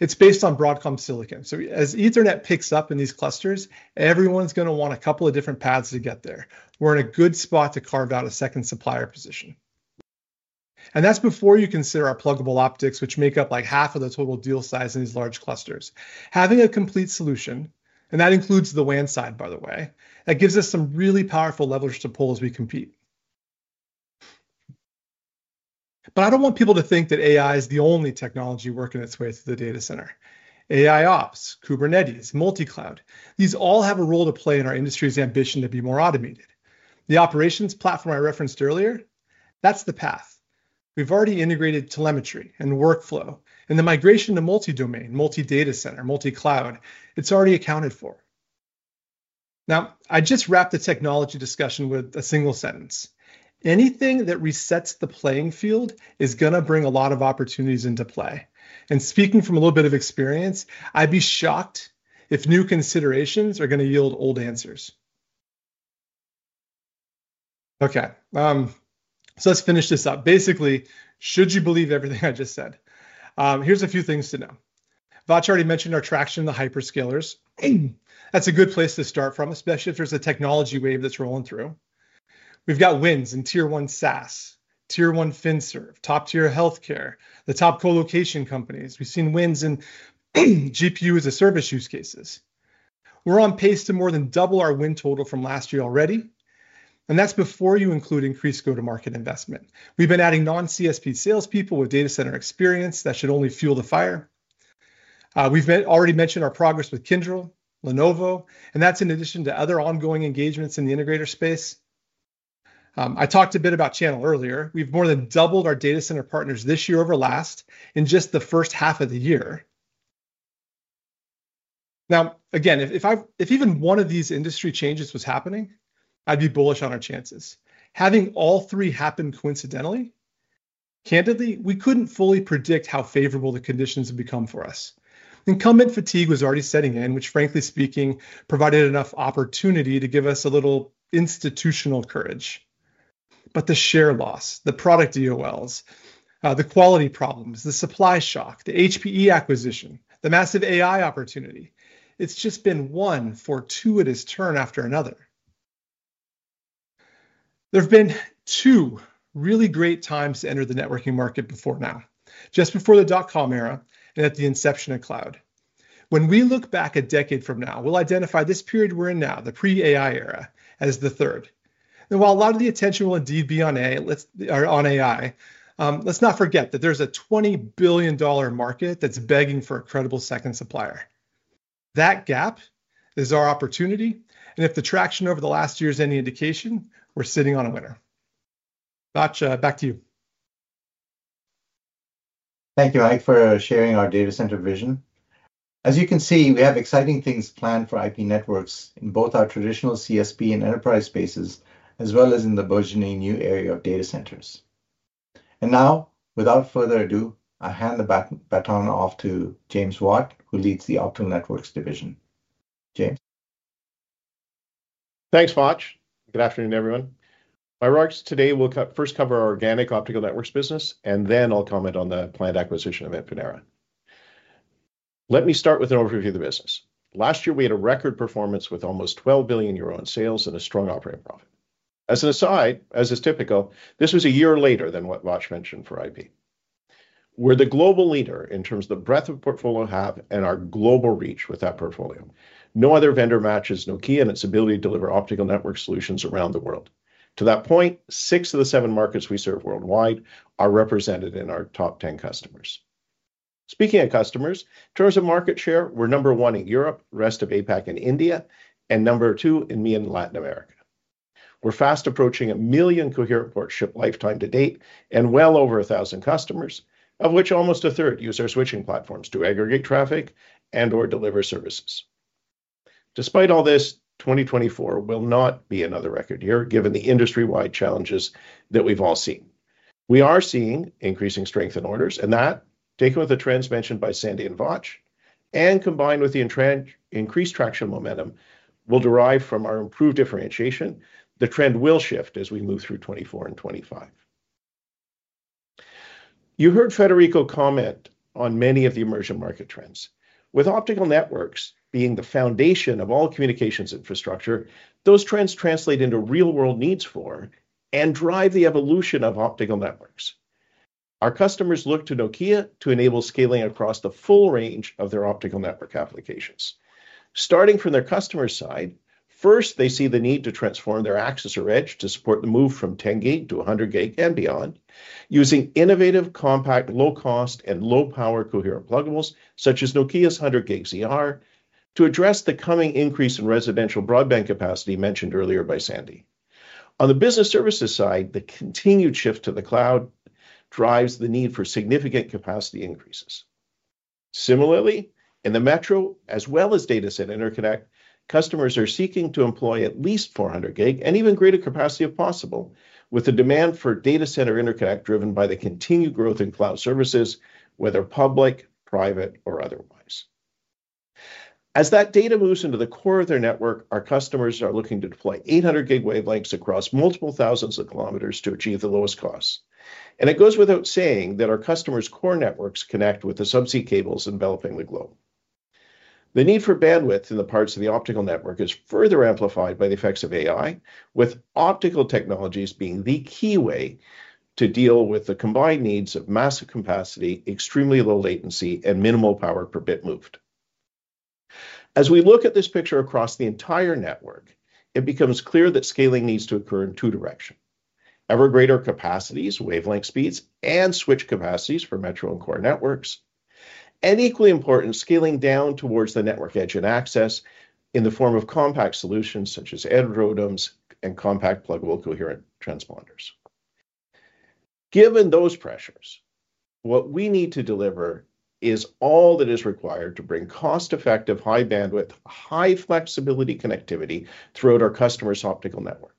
it's based on Broadcom silicon. So as Ethernet picks up in these clusters, everyone's gonna want a couple of different paths to get there. We're in a good spot to carve out a second supplier position, and that's before you consider our pluggable optics, which make up, like, half of the total deal size in these large clusters. Having a complete solution, and that includes the WAN side, by the way, that gives us some really powerful levers to pull as we compete. But I don't want people to think that AI is the only technology working its way through the data center. AIOps, Kubernetes, multi-cloud, these all have a role to play in our industry's ambition to be more automated. The operations platform I referenced earlier, that's the path. We've already integrated telemetry and workflow, and the migration to multi-domain, multi-data center, multi-cloud, it's already accounted for. Now, I just wrapped the technology discussion with a single sentence: Anything that resets the playing field is gonna bring a lot of opportunities into play. And speaking from a little bit of experience, I'd be shocked if new considerations are gonna yield old answers. Okay, so let's finish this up. Basically, should you believe everything I just said? Here's a few things to know. Vach already mentioned our traction in the hyperscalers. That's a good place to start from, especially if there's a technology wave that's rolling through. We've got wins in Tier one SaaS, Tier 1 FinServ, top-tier healthcare, the top colocation companies. We've seen wins in GPU-as-a-service use cases. We're on pace to more than double our win total from last year already, and that's before you include increased go-to-market investment. We've been adding non-CSP salespeople with data center experience. That should only fuel the fire. We've already mentioned our progress with Kyndryl, Lenovo, and that's in addition to other ongoing engagements in the integrator space. I talked a bit about channel earlier. We've more than doubled our data center partners this year over last in just the first half of the year. Now, again, if even one of these industry changes was happening, I'd be bullish on our chances. Having all three happen coincidentally, candidly, we couldn't fully predict how favorable the conditions have become for us. Incumbent fatigue was already setting in, which, frankly speaking, provided enough opportunity to give us a little institutional courage, but the share loss, the product EOLs, the quality problems, the supply shock, the HPE acquisition, the massive AI opportunity, it's just been one fortuitous turn after another. There have been two really great times to enter the networking market before now: just before the dot-com era and at the inception of cloud. When we look back a decade from now, we'll identify this period we're in now, the pre-AI era, as the third, and while a lot of the attention will indeed be on AI, let's not forget that there's a $20 billion market that's begging for a credible second supplier. That gap is our opportunity, and if the traction over the last year is any indication, we're sitting on a winner. Vach, back to you. Thank you, Mike, for sharing our data center vision. As you can see, we have exciting things planned for IP Networks in both our traditional CSP and enterprise spaces, as well as in the burgeoning new area of data centers. Now, without further ado, I hand the baton off to James Watt, who leads the Optical Networks Division. James? Thanks, Vach. Good afternoon, everyone. My remarks today will first cover our organic Optical Networks business, and then I'll comment on the planned acquisition of Infinera. Let me start with an overview of the business. Last year, we had a record performance with almost 12 billion euro in sales and a strong operating profit. As an aside, as is typical, this was a year later than what Vach mentioned for IP. We're the global leader in terms of the breadth of portfolio we have and our global reach with that portfolio. No other vendor matches Nokia and its ability to deliver Optical Network solutions around the world. To that point, six of the seven markets we serve worldwide are represented in our top 10 customers. Speaking of customers, in terms of market share, we're number one in Europe, rest of APAC and India, and number two in MEA and Latin America. We're fast approaching a million coherent ports shipped lifetime to date and well over a thousand customers, of which almost a third use our switching platforms to aggregate traffic and/or deliver services. ... Despite all this, 2024 will not be another record year, given the industry-wide challenges that we've all seen. We are seeing increasing strength in orders, and that, taken with the trends mentioned by Sandy and Vach, and combined with the increased traction momentum, will derive from our improved differentiation. The trend will shift as we move through 2024 and 2025. You heard Federico comment on many of the emerging market trends. With Optical Networks being the foundation of all communications infrastructure, those trends translate into real-world needs for, and drive the evolution of Optical Networks. Our customers look to Nokia to enable scaling across the full range of their Optical Network applications. Starting from their customer side, first, they see the need to transform their access or edge to support the move from 10 Gb to 100 Gb and beyond, using innovative, compact, low-cost, and low-power coherent pluggables, such as Nokia's 100 Gb ZR, to address the coming increase in residential broadband capacity mentioned earlier by Sandy. On the business services side, the continued shift to the cloud drives the need for significant capacity increases. Similarly, in the metro, as well as data center interconnect, customers are seeking to employ at least 400 Gb and even greater capacity if possible, with the demand for data center interconnect driven by the continued growth in cloud services, whether public, private, or otherwise. As that data moves into the core of their network, our customers are looking to deploy 800 Gb wavelengths across multiple thousands of kilometers to achieve the lowest costs. It goes without saying that our customers' core networks connect with the subsea cables enveloping the globe. The need for bandwidth in the parts of the Optical Network is further amplified by the effects of AI, with optical technologies being the key way to deal with the combined needs of massive capacity, extremely low latency, and minimal power per bit moved. As we look at this picture across the entire network, it becomes clear that scaling needs to occur in two directions: ever greater capacities, wavelength speeds, and switch capacities for metro and core networks, and equally important, scaling down towards the network edge and access in the form of compact solutions such as Edge ROADMs and compact pluggable coherent transponders. Given those pressures, what we need to deliver is all that is required to bring cost-effective, high-bandwidth, high-flexibility connectivity throughout our customers' Optical Network.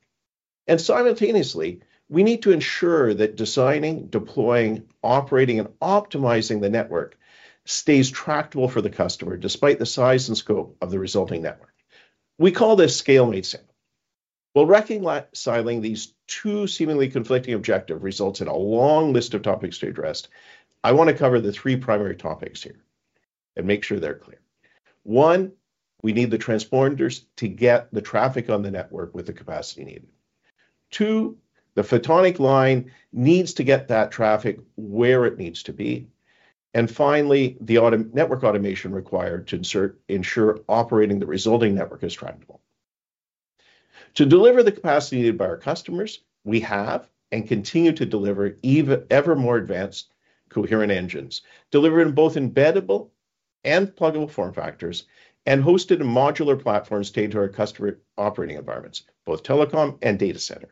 Simultaneously, we need to ensure that designing, deploying, operating, and optimizing the network stays tractable for the customer, despite the size and scope of the resulting network. We call this scale made simple. While reconciling these two seemingly conflicting objective results in a long list of topics to be addressed, I want to cover the three primary topics here and make sure they're clear. One, we need the transponders to get the traffic on the network with the capacity needed. Two, the photonic line needs to get that traffic where it needs to be. And finally, the automation required to ensure operating the resulting network is tractable. To deliver the capacity needed by our customers, we have and continue to deliver ever more advanced coherent engines, delivered in both embeddable and pluggable form factors, and hosted in modular platforms tailored to our customer operating environments, both telecom and data center.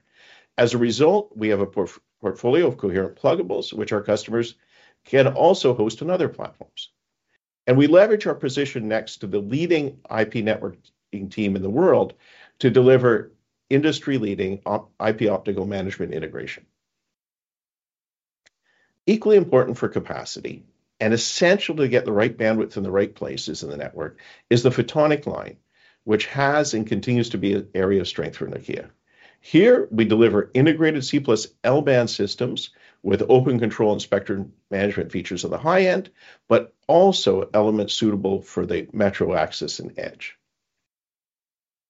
As a result, we have a portfolio of coherent pluggables, which our customers can also host on other platforms. We leverage our position next to the leading IP networking team in the world to deliver industry-leading IP optical management integration. Equally important for capacity, and essential to get the right bandwidth in the right places in the network, is the photonic line, which has and continues to be an area of strength for Nokia. Here, we deliver integrated C+L-band systems with open control and spectrum management features at the high end, but also elements suitable for the metro, access, and edge.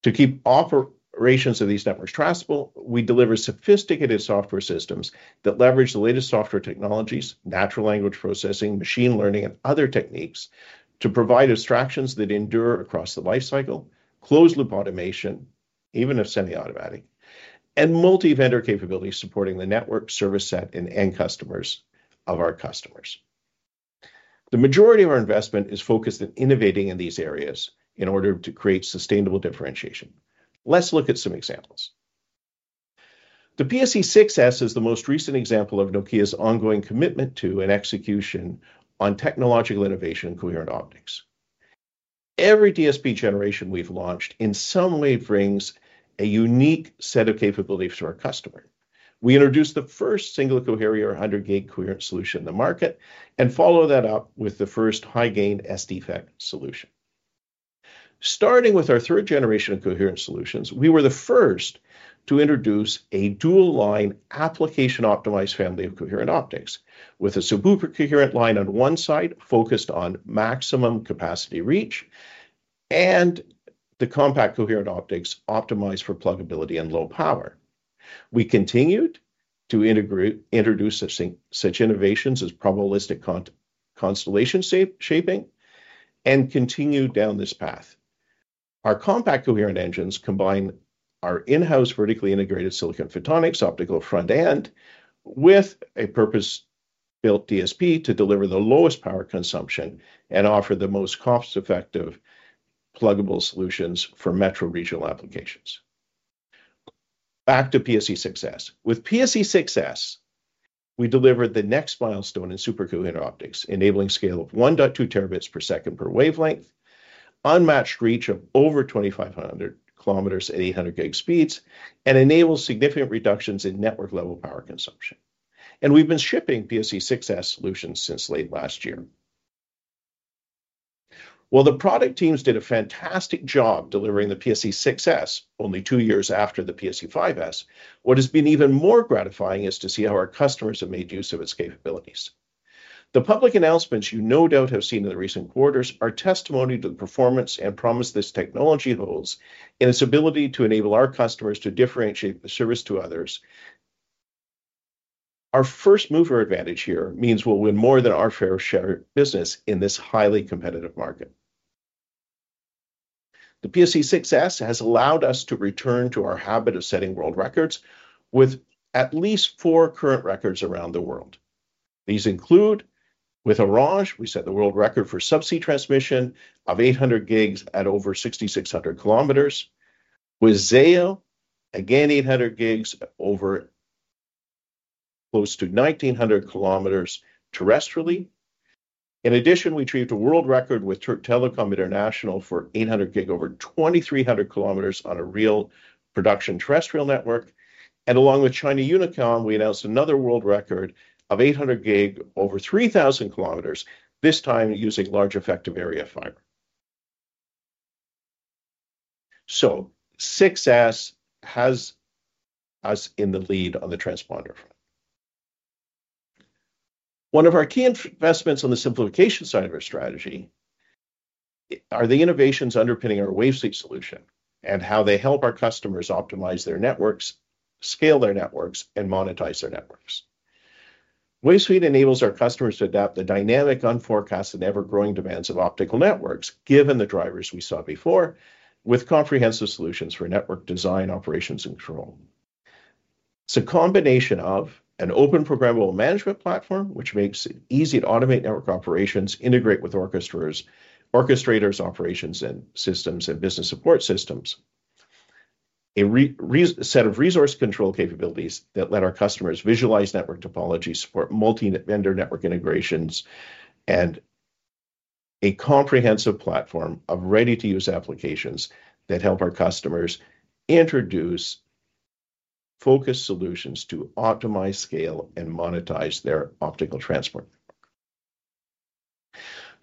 To keep operations of these networks trustable, we deliver sophisticated software systems that leverage the latest software technologies, natural language processing, machine learning, and other techniques to provide abstractions that endure across the lifecycle, closed-loop automation, even if semi-automatic, and multi-vendor capabilities supporting the network service set and end customers of our customers. The majority of our investment is focused on innovating in these areas in order to create sustainable differentiation. Let's look at some examples. The PSE-6s is the most recent example of Nokia's ongoing commitment to, and execution on, technological innovation in coherent optics. Every DSP generation we've launched in some way brings a unique set of capabilities to our customer. We introduced the first single coherent 100 Gb coherent solution in the market, and follow that up with the first high-gain SDFEC solution. Starting with our third generation of coherent solutions, we were the first to introduce a dual-line application-optimized family of coherent optics, with a super coherent line on one side focused on maximum capacity reach and the compact coherent optics optimized for pluggability and low power. We continued to introduce such innovations as probabilistic constellation shaping, and continued down this path. Our compact coherent engines combine our in-house vertically integrated silicon photonics optical front-end with a purpose-built DSP to deliver the lowest power consumption and offer the most cost-effective pluggable solutions for metro regional applications. Back to PSE-6s. With PSE-6s, we delivered the next milestone in super coherent optics, enabling scale of 1.2 Tb per second per wavelength, unmatched reach of over 2,500 km at 800 Gb speeds, and enables significant reductions in network level power consumption. We've been shipping PSE-6s solutions since late last year. While the product teams did a fantastic job delivering the PSE-6s only two years after the PSE-5s, what has been even more gratifying is to see how our customers have made use of its capabilities. The public announcements you no doubt have seen in the recent quarters are testimony to the performance and promise this technology holds, and its ability to enable our customers to differentiate the service to others. Our first mover advantage here means we'll win more than our fair share of business in this highly competitive market. The PSE-6s has allowed us to return to our habit of setting world records with at least four current records around the world. These include, with Orange, we set the world record for subsea transmission of 800 Gb at over 6,600 kilometers. With Zayo, again, 800 Gb over close to 1,900 km terrestrially. In addition, we achieved a world record with Turk Telekom International for 800 Gb over 2,300 km on a real production terrestrial network. And along with China Unicom, we announced another world record of 800 Gb over 3,000 km, this time using large effective area fiber. So 6s has us in the lead on the transponder front. One of our key investments on the simplification side of our strategy are the innovations underpinning our WaveSuite solution and how they help our customers optimize their networks, scale their networks, and monetize their networks. WaveSuite enables our customers to adapt the dynamic, unforecasted, and ever-growing demands of Optical Networks, given the drivers we saw before, with comprehensive solutions for network design, operations, and control. It's a combination of an open, programmable management platform, which makes it easy to automate network operations, integrate with orchestrators, operations support systems, and business support systems. A reset of resource control capabilities that let our customers visualize network topologies for multi-vendor network integrations, and a comprehensive platform of ready-to-use applications that help our customers introduce focused solutions to optimize, scale, and monetize their optical transport.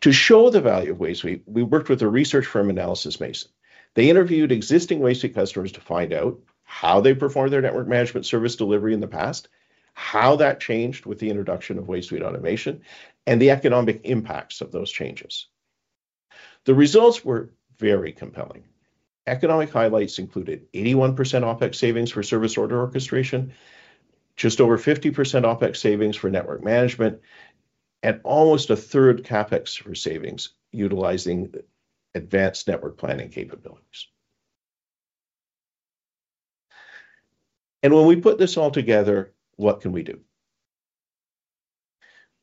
To show the value of WaveSuite, we worked with a research firm, Analysys Mason. They interviewed existing WaveSuite customers to find out how they performed their network management service delivery in the past, how that changed with the introduction of WaveSuite automation, and the economic impacts of those changes. The results were very compelling. Economic highlights included 81% OpEx savings for service order orchestration, just over 50% OpEx savings for network management, and almost a third CapEx savings utilizing advanced network planning capabilities. And when we put this all together, what can we do?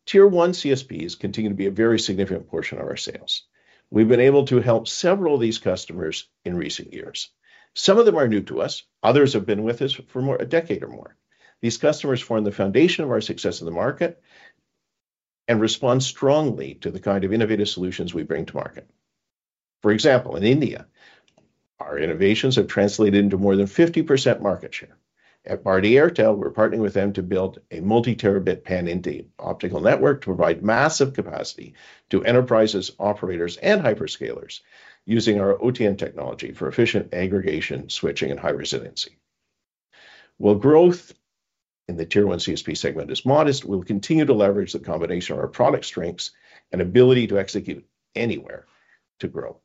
Tier 1 CSPs continue to be a very significant portion of our sales. We've been able to help several of these customers in recent years. Some of them are new to us, others have been with us for more than a decade or more. These customers form the foundation of our success in the market and respond strongly to the kind of innovative solutions we bring to market. For example, in India, our innovations have translated into more than 50% market share. At Bharti Airtel, we're partnering with them to build a multi-terabit pan-India Optical Network to provide massive capacity to enterprises, operators, and hyperscalers, using our OTN technology for efficient aggregation, switching, and high resiliency. While growth in the tier one CSP segment is modest, we'll continue to leverage the combination of our product strengths and ability to execute anywhere to grow.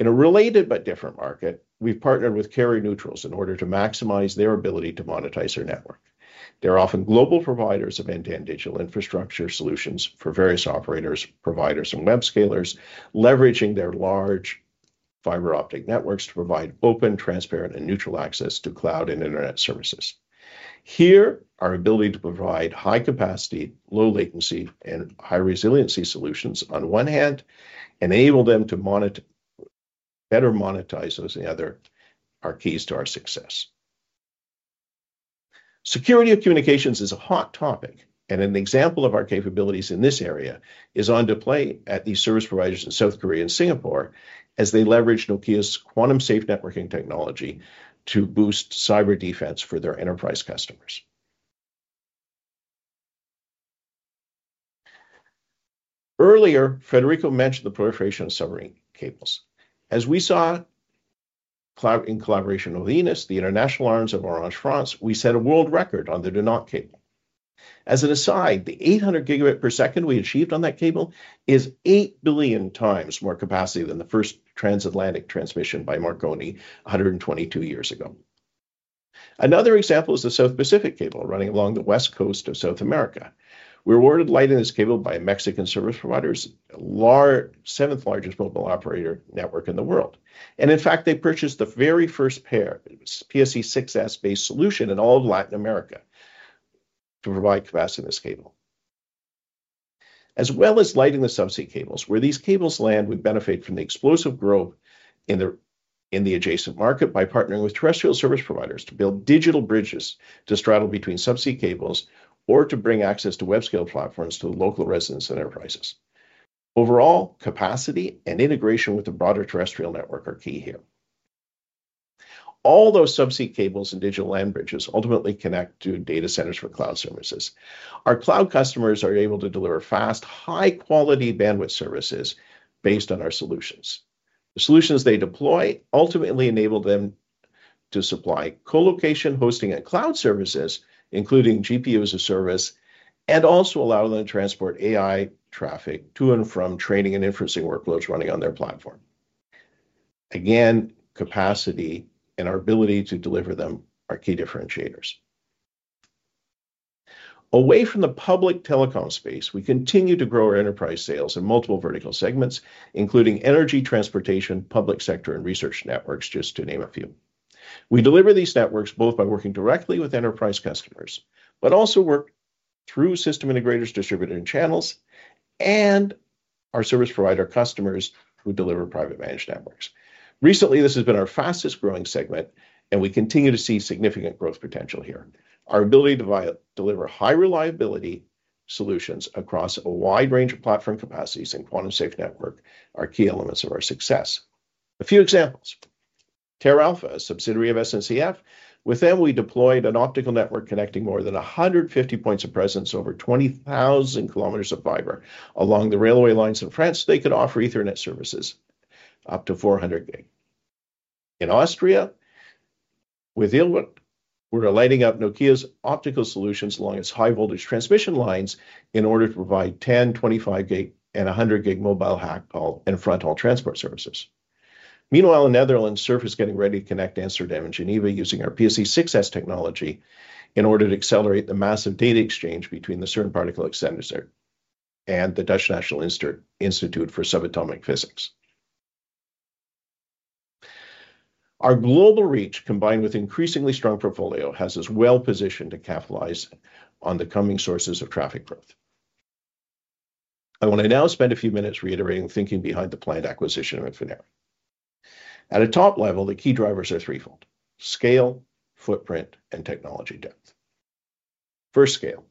In a related but different market, we've partnered with carrier neutrals in order to maximize their ability to monetize their network. They're often global providers of end-to-end digital infrastructure solutions for various operators, providers, and web scalers, leveraging their large fiber optic networks to provide open, transparent, and neutral access to cloud and internet services. Here, our ability to provide high capacity, low latency, and high resiliency solutions on one hand enable them to better monetize those on the other are keys to our success. Security of communications is a hot topic, and an example of our capabilities in this area is on display at these service providers in South Korea and Singapore, as they leverage Nokia's quantum-safe networking technology to boost cyber defense for their enterprise customers. Earlier, Federico mentioned the proliferation of submarine cables. As we saw, in collaboration with OINIS, the international arm of Orange France, we set a world record on the Dunant cable. As an aside, the 800 Gb per second we achieved on that cable is eight billion times more capacity than the first transatlantic transmission by Marconi 122 years ago. Another example is the South Pacific cable, running along the west coast of South America. We are lighting this cable for Mexican service providers, the seventh largest mobile operator network in the world. In fact, they purchased the very first pair, PSE-6s-based solution in all of Latin America, to provide capacity in this cable... as well as lighting the subsea cables. Where these cables land, we benefit from the explosive growth in the adjacent market by partnering with terrestrial service providers to build digital bridges, to straddle between subsea cables, or to bring access to web-scale platforms to local residents and enterprises. Overall, capacity and integration with the broader terrestrial network are key here. All those subsea cables and digital land bridges ultimately connect to data centers for cloud services. Our cloud customers are able to deliver fast, high-quality bandwidth services based on our solutions. The solutions they deploy ultimately enable them to supply co-location, hosting, and cloud services, including GPU-as-a-Service, and also allow them to transport AI traffic to and from training and inferencing workloads running on their platform. Again, capacity and our ability to deliver them are key differentiators. Away from the public telecom space, we continue to grow our enterprise sales in multiple vertical segments, including energy, transportation, public sector, and research networks, just to name a few. We deliver these networks both by working directly with enterprise customers, but also work through system integrators, distributors, and channels, and our service provider customers who deliver private managed networks. Recently, this has been our fastest-growing segment, and we continue to see significant growth potential here. Our ability to deliver high reliability solutions across a wide range of platform capacities and quantum safe network are key elements of our success. A few examples: Terralpha, a subsidiary of SNCF. With them, we deployed an Optical Network connecting more than 150 points of presence over 20,000 kilometers of fiber. Along the railway lines in France, they could offer Ethernet services up to 400 Gb. In Austria, with Illwerke vkw, we're lighting up Nokia's optical solutions along its high voltage transmission lines in order to provide 10Gb, 25 Gb, and 100 Gb mobile backhaul and fronthaul transport services. Meanwhile, in Netherlands, SURF is getting ready to connect Amsterdam and Geneva using our PSE-6s technology in order to accelerate the massive data exchange between the CERN particle accelerators there and the Dutch National Institute for Subatomic Physics. Our global reach, combined with increasingly strong portfolio, has us well-positioned to capitalize on the coming sources of traffic growth. I want to now spend a few minutes reiterating the thinking behind the planned acquisition of Infinera. At a top level, the key drivers are threefold: scale, footprint, and technology depth. First, scale.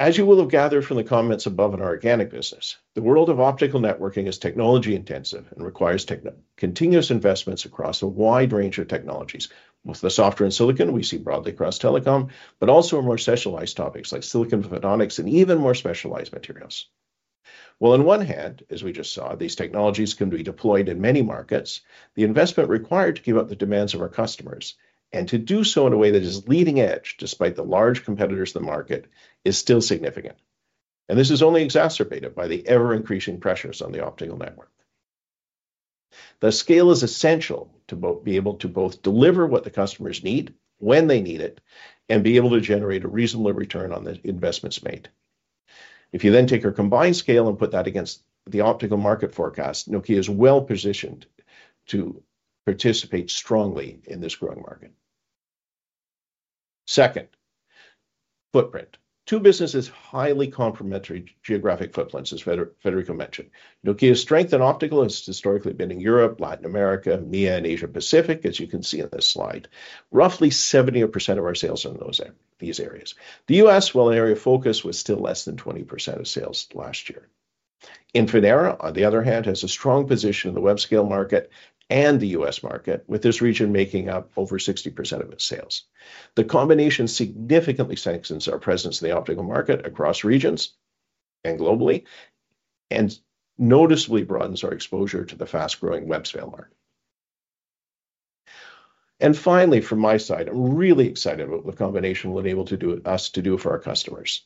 As you will have gathered from the comments above in our organic business, the world of Optical Networking is technology-intensive and requires continuous investments across a wide range of technologies. With the software and silicon, we see broadly across telecom, but also are more specialized topics like silicon photonics and even more specialized materials. On one hand, as we just saw, these technologies can be deployed in many markets. The investment required to keep up the demands of our customers, and to do so in a way that is leading edge, despite the large competitors in the market, is still significant, and this is only exacerbated by the ever-increasing pressures on the Optical Network. The scale is essential to both deliver what the customers need, when they need it, and be able to generate a reasonable return on the investments made. If you then take our combined scale and put that against the optical market forecast, Nokia is well-positioned to participate strongly in this growing market. Second, footprint. Two businesses, highly complementary geographic footprints, as Federico mentioned. Nokia's strength in optical has historically been in Europe, Latin America, MEA, and Asia Pacific, as you can see on this slide. Roughly 70% of our sales are in these areas. The U.S., while an area of focus, was still less than 20% of sales last year. Infinera, on the other hand, has a strong position in the web-scale market and the U.S. market, with this region making up over 60% of its sales. The combination significantly enhances our presence in the optical market across regions and globally, and noticeably broadens our exposure to the fast-growing web-scale market. And finally, from my side, I'm really excited about the combination we're able to do for our customers.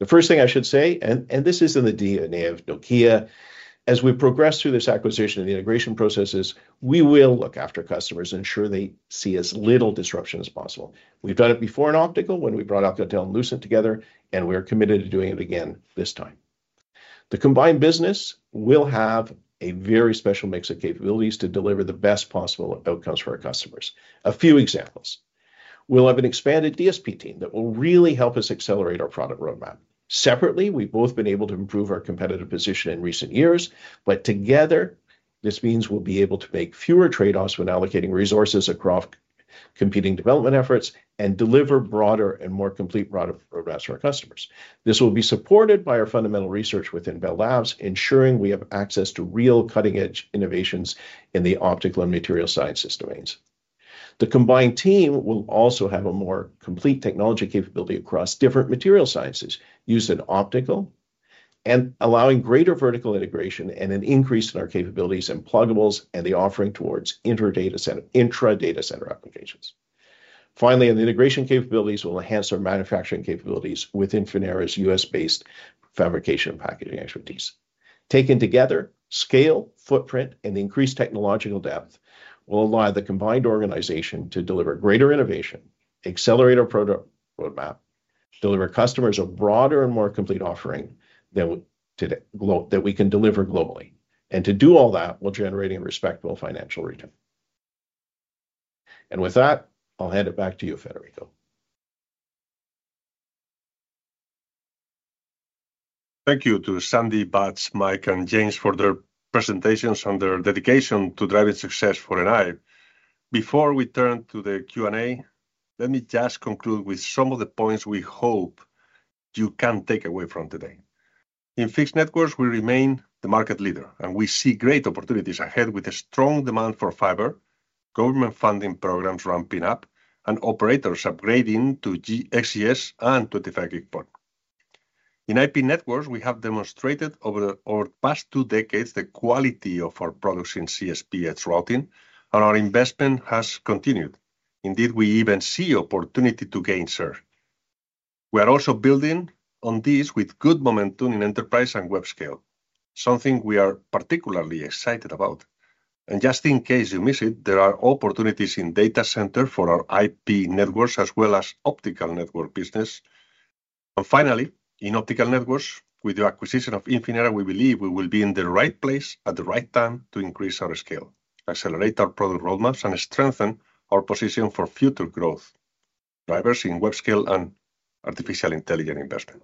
The first thing I should say, and this is in the DNA of Nokia, as we progress through this acquisition and the integration processes, we will look after customers, ensure they see as little disruption as possible. We've done it before in optical, when we brought Alcatel and Lucent together, and we are committed to doing it again this time. The combined business will have a very special mix of capabilities to deliver the best possible outcomes for our customers. A few examples. We'll have an expanded DSP team that will really help us accelerate our product roadmap. Separately, we've both been able to improve our competitive position in recent years, but together, this means we'll be able to make fewer trade-offs when allocating resources across competing development efforts and deliver broader and more complete product progress to our customers. This will be supported by our fundamental research within Bell Labs, ensuring we have access to real cutting-edge innovations in the optical and material sciences domains. The combined team will also have a more complete technology capability across different material sciences, used in optical, and allowing greater vertical integration and an increase in our capabilities and pluggables, and the offering towards inter-data center and intra-data center applications. Finally, the integration capabilities will enhance our manufacturing capabilities with Infinera's U.S.-based fabrication and packaging expertise. Taken together, scale, footprint, and increased technological depth will allow the combined organization to deliver greater innovation, accelerate our product roadmap, deliver customers a broader and more complete offering that would today that we can deliver globally, and to do all that while generating respectable financial return, and with that, I'll hand it back to you, Federico. Thank you to Sandy, Vach, Mike, and James for their presentations and their dedication to driving success for NI. Before we turn to the Q&A, let me just conclude with some of the points we hope you can take away from Fixed Networks, we remain the market leader, and we see great opportunities ahead with a strong demand for fiber, government funding programs ramping up, and operators upgrading to XGS and 25 Gb port. In IP networks, we have demonstrated over the past two decades the quality of our products in CSP edge routing, and our investment has continued. Indeed, we even see opportunity to gain share. We are also building on this with good momentum in enterprise and web scale, something we are particularly excited about. Just in case you missed it, there are opportunities in data center for our IP networks, as well as Optical Network business. Finally, in Optical Networks, with the acquisition of Infinera, we believe we will be in the right place at the right time to increase our scale, accelerate our product roadmaps, and strengthen our position for future growth, diversity in web-scale, and artificial intelligence investment.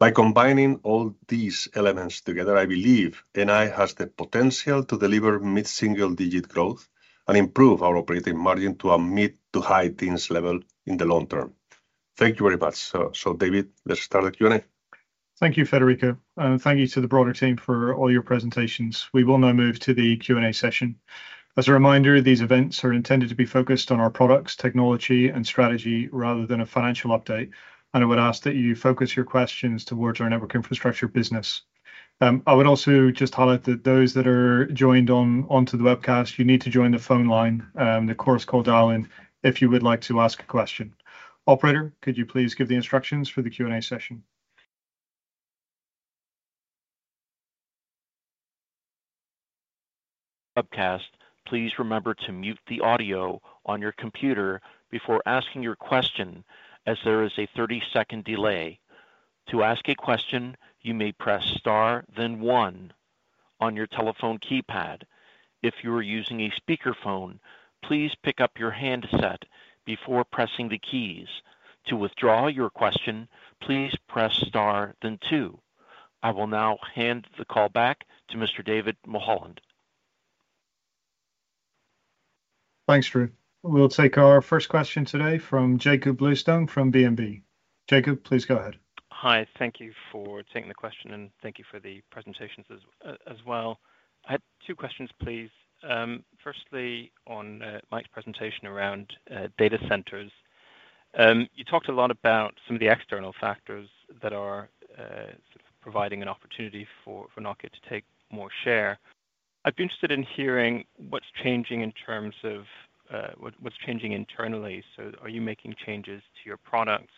By combining all these elements together, I believe NI has the potential to deliver mid-single-digit growth and improve our operating margin to a mid- to high-teens level in the long term. Thank you very much. So, David, let's start the Q&A. Thank you, Federico, and thank you to the broader team for all your presentations. We will now move to the Q&A session. As a reminder, these events are intended to be focused on our products, technology, and strategy rather than a financial update, and I would ask that you focus your questions towards our network infrastructure business. I would also just highlight that those that are joined onto the webcast, you need to join the phone line, the conference call dial-in, if you would like to ask a question. Operator, could you please give the instructions for the Q&A session? Webcast, please remember to mute the audio on your computer before asking your question, as there is a 30-second delay. To ask a question, you may press star then one on your telephone keypad. If you are using a speakerphone, please pick up your handset before pressing the keys. To withdraw your question, please press star then two. I will now hand the call back to Mr. David Mulholland. Thanks, Drew. We'll take our first question today from Jakob Bluestone from BNP. Jakob, please go ahead. Hi, thank you for taking the question, and thank you for the presentations as well. I had two questions, please. Firstly, on Mike's presentation around data centers. You talked a lot about some of the external factors that are providing an opportunity for Nokia to take more share. I'd be interested in hearing what's changing in terms of what's changing internally. So are you making changes to your products?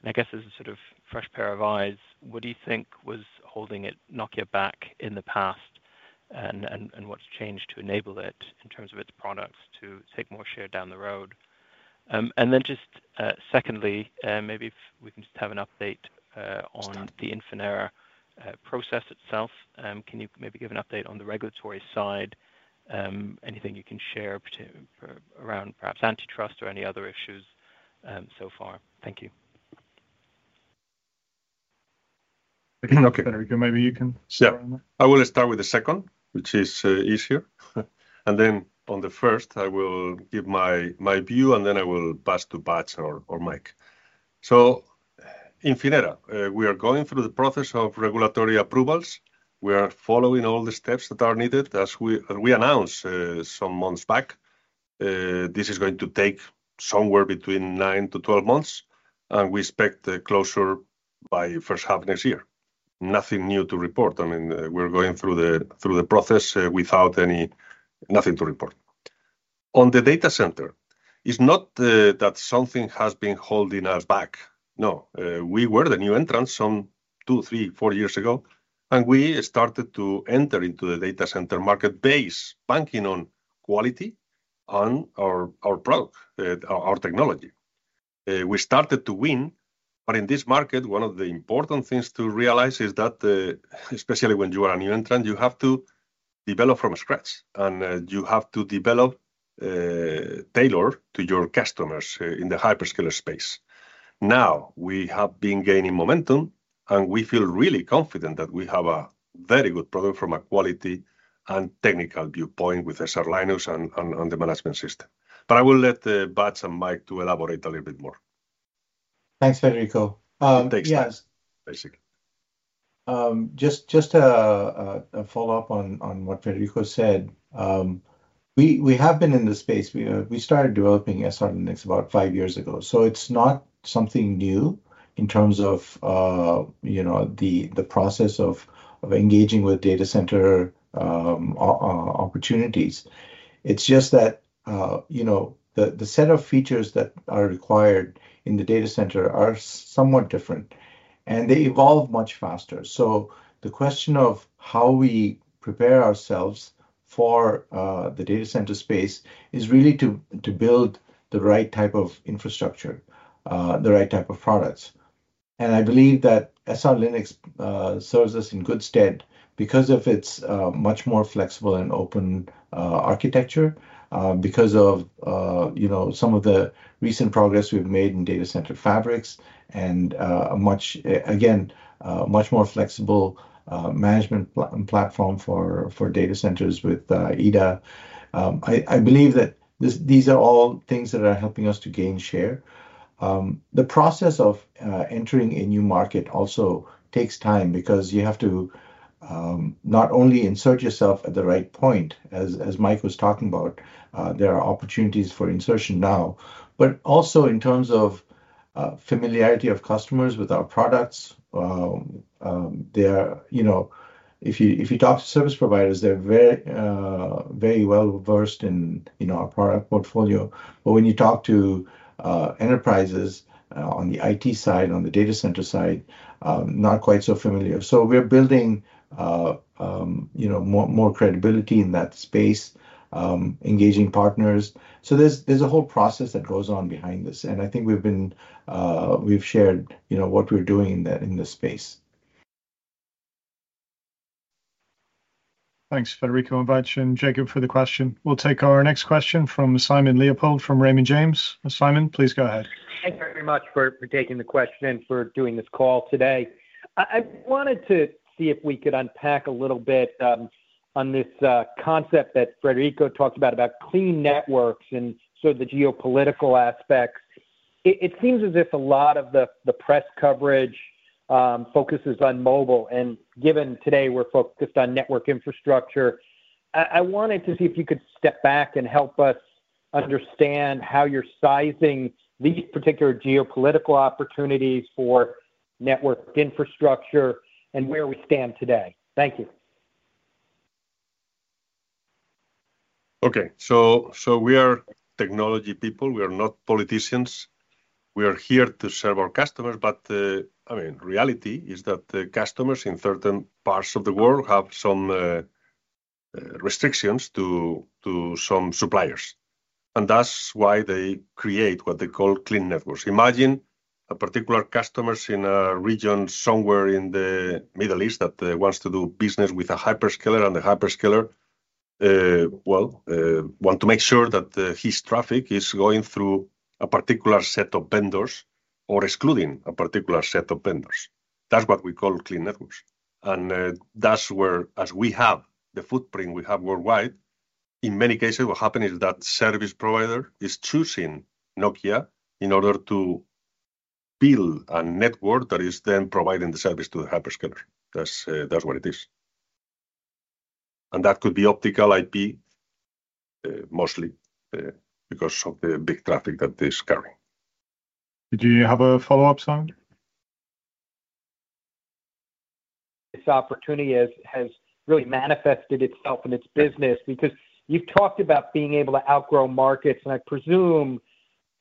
And I guess as a sort of fresh pair of eyes, what do you think was holding Nokia back in the past, and what's changed to enable it in terms of its products to take more share down the road? And then just secondly, maybe if we can just have an update on- Sure... the Infinera process itself. Can you maybe give an update on the regulatory side? Anything you can share, particularly around perhaps antitrust or any other issues, so far? Thank you. Okay, Federico, maybe you can start? Yeah. I will start with the second, which is easier. And then on the first, I will give my view, and then I will pass to Vach or Mike. So Infinera, we are going through the process of regulatory approvals. We are following all the steps that are needed. As we announced, some months back, this is going to take somewhere between nine to 12 months, and we expect the closure by first half next year. Nothing new to report. I mean, we're going through the process, without any... nothing to report. On the data center, it's not that something has been holding us back. No. We were the new entrants some two, three, four years ago, and we started to enter into the data center market base, banking on quality on our product, our technology. We started to win, but in this market, one of the important things to realize is that especially when you are a new entrant, you have to develop from scratch, and you have to develop tailor to your customers in the hyperscaler space. Now, we have been gaining momentum, and we feel really confident that we have a very good product from a quality and technical viewpoint with SR Linux and on the management system. But I will let Vach and Mike elaborate a little bit more. Thanks, Federico. Yes. Thanks, basically. Just a follow-up on what Federico said. We have been in this space. We started developing SR Linux about five years ago, so it's not something new in terms of you know the process of engaging with data center opportunities. It's just that you know the set of features that are required in the data center are somewhat different, and they evolve much faster. So the question of how we prepare ourselves for the data center space is really to build the right type of infrastructure, the right type of products.... and I believe that SR Linux serves us in good stead because of its much more flexible and open architecture because of you know some of the recent progress we've made in data center fabrics and a much more flexible management platform for data centers with EDA. I believe that these are all things that are helping us to gain share. The process of entering a new market also takes time because you have to not only insert yourself at the right point, as Mike was talking about, there are opportunities for insertion now, but also in terms of familiarity of customers with our products. They are... You know, if you talk to service providers, they're very well-versed in, you know, our product portfolio. But when you talk to enterprises, on the IT side, on the data center side, not quite so familiar. So we're building, you know, more credibility in that space, engaging partners. So there's a whole process that goes on behind this, and I think we've shared, you know, what we're doing in this space. Thanks, Federico Guillén and Jakob for the question. We'll take our next question from Simon Leopold, from Raymond James. Simon, please go ahead. Thank you very much for taking the question and for doing this call today. I wanted to see if we could unpack a little bit on this concept that Federico talked about, about Clean Networks and sort of the geopolitical aspects. It seems as if a lot of the press coverage focuses on mobile, and given today we're focused on network infrastructure, I wanted to see if you could step back and help us understand how you're sizing these particular geopolitical opportunities for network infrastructure and where we stand today. Thank you. Okay. So we are technology people, we are not politicians. We are here to serve our customers, but I mean, reality is that the customers in certain parts of the world have some restrictions to some suppliers, and that's why they create what they call Clean Networks. Imagine a particular customer in a region somewhere in the Middle East that wants to do business with a hyperscaler, and the hyperscaler want to make sure that his traffic is going through a particular set of vendors or excluding a particular set of vendors. That's what we call Clean Networks. And that's where, as we have the footprint we have worldwide, in many cases, what happened is that service provider is choosing Nokia in order to build a network that is then providing the service to the hyperscaler. That's, that's what it is. And that could be optical IP, mostly, because of the big traffic that they're carrying. Did you have a follow-up, Simon? This opportunity has really manifested itself in its business. Because you've talked about being able to outgrow markets, and I presume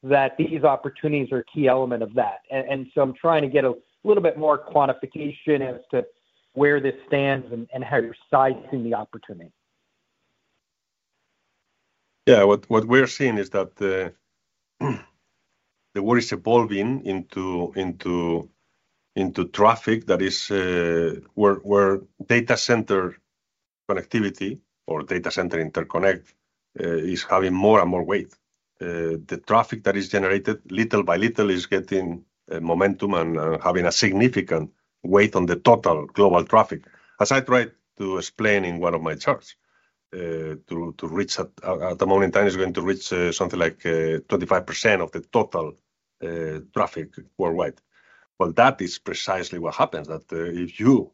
that these opportunities are a key element of that and so I'm trying to get a little bit more quantification as to where this stands and how you're sizing the opportunity. Yeah. What we're seeing is that the world is evolving into traffic that is where data center connectivity or data center interconnect is having more and more weight. The traffic that is generated little by little is getting momentum and having a significant weight on the total global traffic. As I tried to explain in one of my charts, to reach at the moment in time, it's going to reach something like 25% of the total traffic worldwide. Well, that is precisely what happens, that if you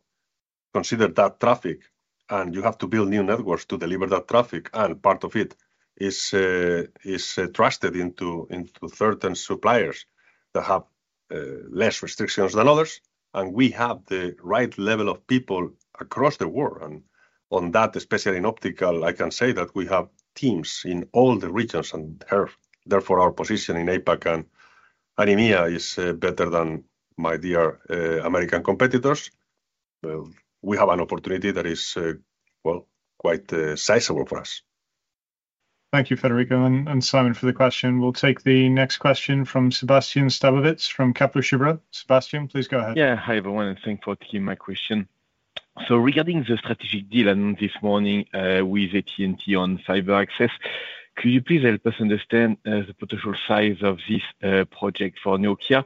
consider that traffic and you have to build new networks to deliver that traffic, and part of it is trusted into certain suppliers that have less restrictions than others, and we have the right level of people across the world. On that, especially in optical, I can say that we have teams in all the regions, and therefore, our position in APAC and in EMEA is better than my dear American competitors. We have an opportunity that is well quite sizable for us. Thank you, Federico and Simon, for the question. We'll take the next question from Sebastien Stawowycz from Kepler Cheuvreux. Sebastien, please go ahead. Yeah. Hi, everyone, and thanks for taking my question. So regarding the strategic deal and this morning with AT&T on fiber access, could you please help us understand the potential size of this project for Nokia?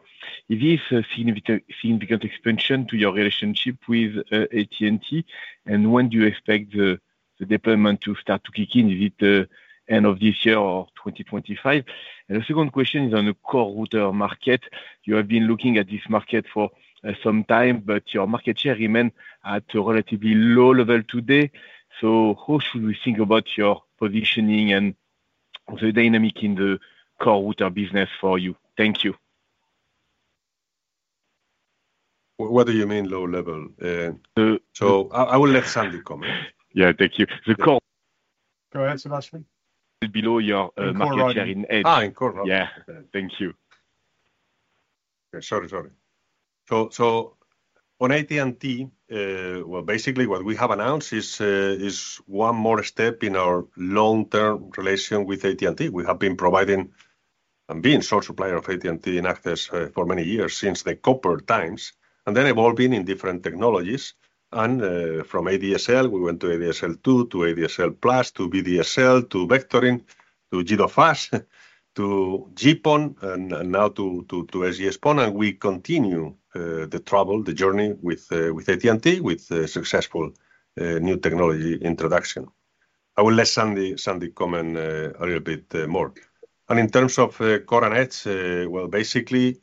Is this a significant expansion to your relationship with AT&T, and when do you expect the deployment to start to kick in, is it the end of this year or 2025? And the second question is on the core router market. You have been looking at this market for some time, but your market share remain at a relatively low level today. So how should we think about your positioning and the dynamic in the core router business for you? Thank you. What do you mean low level? The- So I will let Sandy comment. Yeah. Thank you. The call- Go ahead, Sebastien. Below your market share in edge. Ah, in core router. Yeah. Thank you. On AT&T, well, basically what we have announced is one more step in our long-term relation with AT&T. We have been providing and being sole supplier of AT&T in access for many years, since the copper times, and then evolving in different technologies. From ADSL, we went to ADSL2, to ADSL Plus, to VDSL, to vectoring, to G.fast, to GPON, and now to XGS-PON. We continue the journey with AT&T, with the successful new technology introduction. I will let Sandy comment a little bit more. In terms of core and edge, well, basically,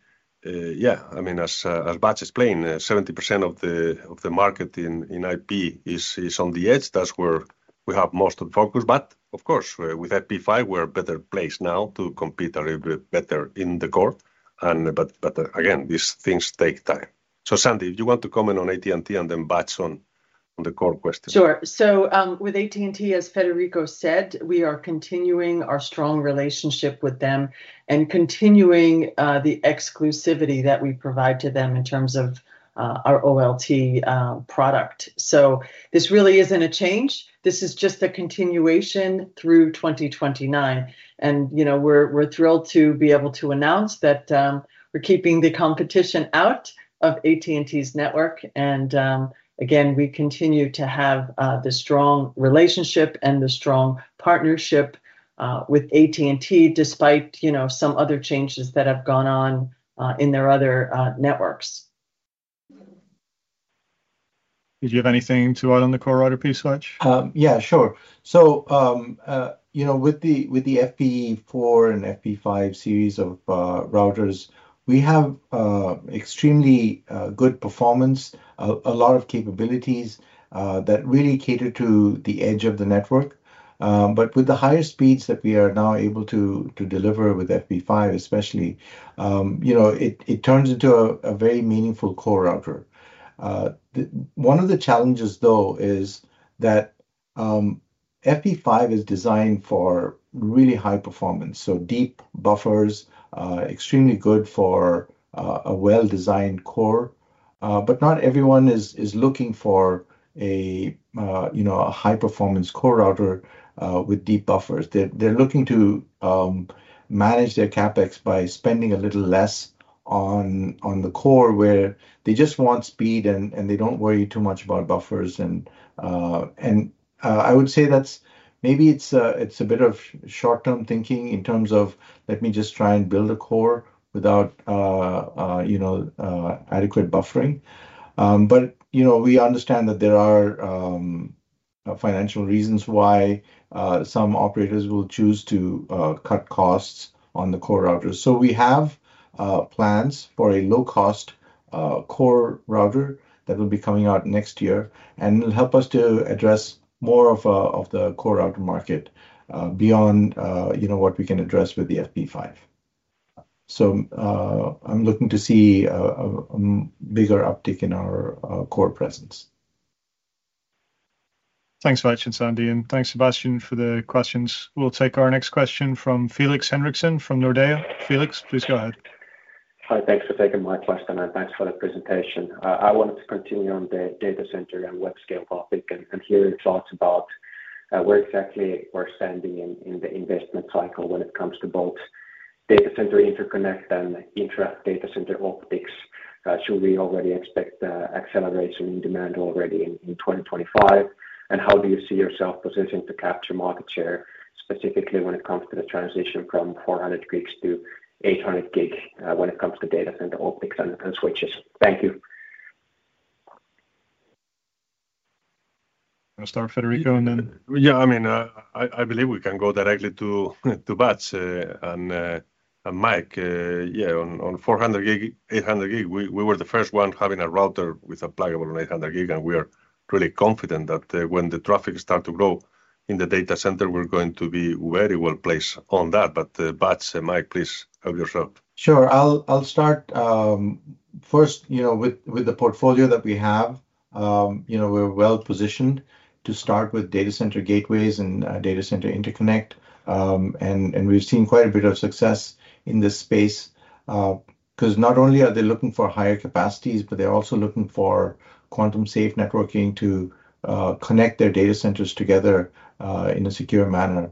yeah, I mean, as Vach explained, 70% of the market in IP is on the edge. That's where we have most of the focus, but of course, with FP5, we're better placed now to compete a little bit better in the core, but again, these things take time. So, Sandy, do you want to comment on AT&T, and then Vach on the core question? Sure. So, with AT&T, as Federico said, we are continuing our strong relationship with them and continuing the exclusivity that we provide to them in terms of our OLT product. So this really isn't a change, this is just a continuation through 2029. And, you know, we're thrilled to be able to announce that we're keeping the competition out of AT&T's network. And, again, we continue to have the strong relationship and the strong partnership with AT&T, despite, you know, some other changes that have gone on in their other networks. Did you have anything to add on the core router piece, Vach? Yeah, sure. So, you know, with the FP4 and FP5 series of routers, we have extremely good performance, a lot of capabilities that really cater to the edge of the network. But with the higher speeds that we are now able to deliver with FP5 especially, you know, it turns into a very meaningful core router. One of the challenges, though, is that FP5 is designed for really high performance, so deep buffers, extremely good for a well-designed core. But not everyone is looking for a, you know, high-performance core router with deep buffers. They're looking to manage their CapEx by spending a little less on the core, where they just want speed, and they don't worry too much about buffers. I would say that's maybe a bit of short-term thinking in terms of, "Let me just try and build a core without, you know, adequate buffering." But, you know, we understand that there are financial reasons why some operators will choose to cut costs on the core routers. We have plans for a low-cost core router that will be coming out next year, and it'll help us to address more of the core router market beyond, you know, what we can address with the FP5. I'm looking to see a bigger uptick in our core presence. Thanks, Vach and Sandy, and thanks, Sebastien, for the questions. We'll take our next question from Felix Henriksson, from Nordea. Felix, please go ahead. Hi. Thanks for taking my question, and thanks for the presentation. I wanted to continue on the data center and web scale topic, and hear your thoughts about where exactly we're standing in the investment cycle when it comes to both data center interconnect and intra data center optics. Should we already expect acceleration in demand already in 2025? And how do you see yourself positioned to capture market share, specifically when it comes to the transition from 400 Gb to 800 Gb when it comes to data center optics and switches? Thank you. Wanna start, Federico, and then- Yeah, I mean, I believe we can go directly to Vach and Mike. Yeah, on 400 Gb, 800 Gb, we were the first one having a router with applicable on 800 Gb, and we are really confident that when the traffic start to grow in the data center, we're going to be very well placed on that. But Vach and Mike, please help yourself. Sure, I'll, I'll start. First, you know, with the portfolio that we have, you know, we're well-positioned to start with data center gateways and data center interconnect. We've seen quite a bit of success in this space, 'cause not only are they looking for higher capacities, but they're also looking for quantum-safe networking to connect their data centers together in a secure manner.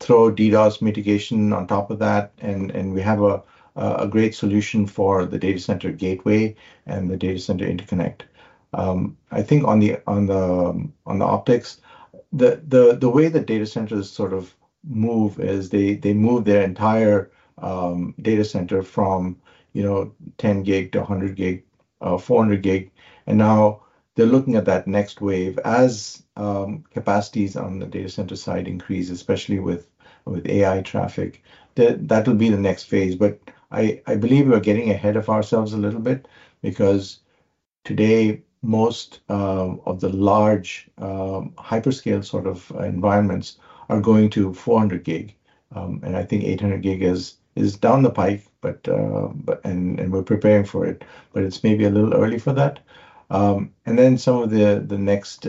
Throw DDoS mitigation on top of that, and we have a great solution for the data center gateway and the data center interconnect. I think on the optics, the way that data centers sort of move is they move their entire data center from, you know, 10 Gb to 100 Gb, 400 Gb and now they're looking at that next wave. As capacities on the data center side increase, especially with AI traffic, that will be the next phase. But I believe we're getting ahead of ourselves a little bit, because today, most of the large hyperscale sort of environments are going to 400 Gb. And I think 800 Gb is down the pipe, but... And we're preparing for it, but it's maybe a little early for that. And then some of the next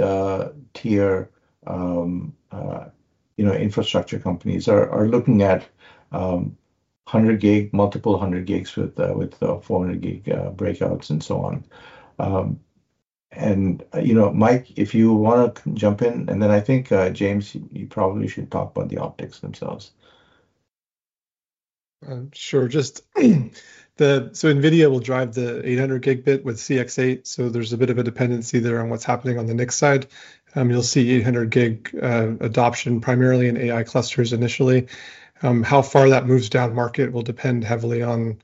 tier infrastructure companies are looking at 100 Gb, multiple 100 Gb with 400 Gb breakouts and so on. You know, Mike, if you wanna jump in, and then I think James, you probably should talk about the optics themselves. Sure. So NVIDIA will drive the 800 Gb with CX-8, so there's a bit of a dependency there on what's happening on the NICs side. You'll see 800 Gb adoption, primarily in AI clusters initially. How far that moves down market will depend heavily on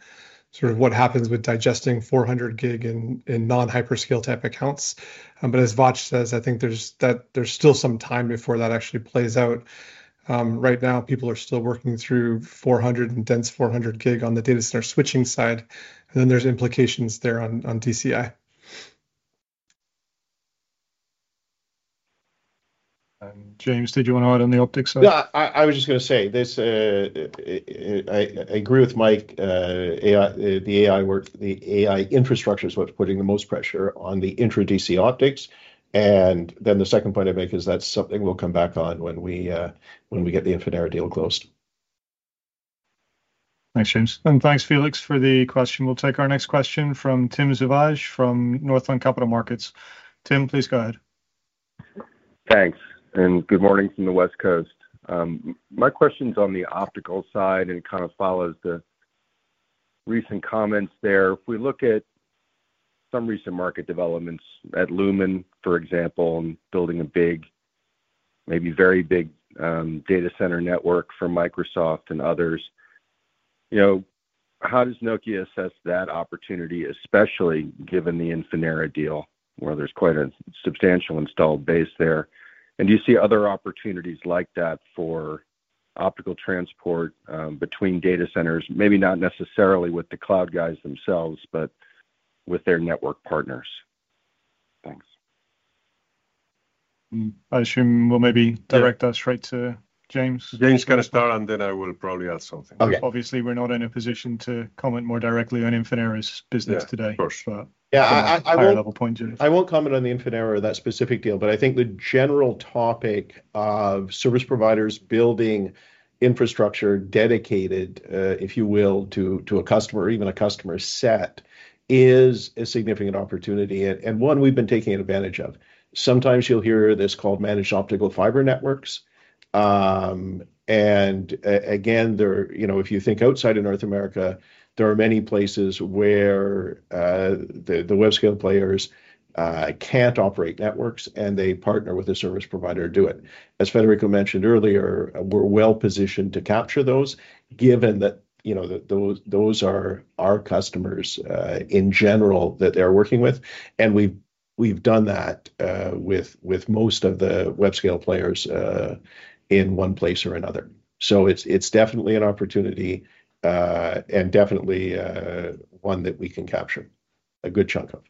sort of what happens with digesting 400 Gb in non-hyperscale type accounts. But as Vach says, I think that there's still some time before that actually plays out. Right now, people are still working through 400 Gb and dense 400 Gb on the data center switching side, and then there's implications there on DCI. James, did you want to add on the optics side? Yeah, I was just gonna say this. I agree with Mike. AI, the AI infrastructure is what's putting the most pressure on the intra DC optics. And then the second point I make is that's something we'll come back on when we get the Infinera deal closed. Thanks, James, and thanks, Felix, for the question. We'll take our next question from Tim Savageaux, from Northland Capital Markets. Tim, please go ahead. Thanks, and good morning from the West Coast. My question's on the optical side, and it kind of follows the recent comments there. If we look at some recent market developments at Lumen, for example, and building a big, maybe very big, data center network for Microsoft and others, you know, how does Nokia assess that opportunity, especially given the Infinera deal, where there's quite a substantial installed base there? And do you see other opportunities like that for optical transport between data centers? Maybe not necessarily with the cloud guys themselves, but with their network partners. Thanks. Hmm. I assume we'll maybe direct that straight to James. James can start, and then I will probably add something. Okay. Obviously, we're not in a position to comment more directly on Infinera's business today. Yeah, of course. But yeah, high level points. I won't comment on the Infinera, that specific deal, but I think the general topic of service providers building infrastructure dedicated, if you will, to a customer or even a customer set, is a significant opportunity, and one we've been taking advantage of. Sometimes you'll hear this called managed optical fiber networks. And again, there you know, if you think outside of North America, there are many places where the web-scale players can't operate networks, and they partner with a service provider to do it. As Federico mentioned earlier, we're well-positioned to capture those, given that, you know, that those are our customers in general that they're working with, and we've done that with most of the web-scale players in one place or another. It's definitely an opportunity, and definitely one that we can capture a good chunk of.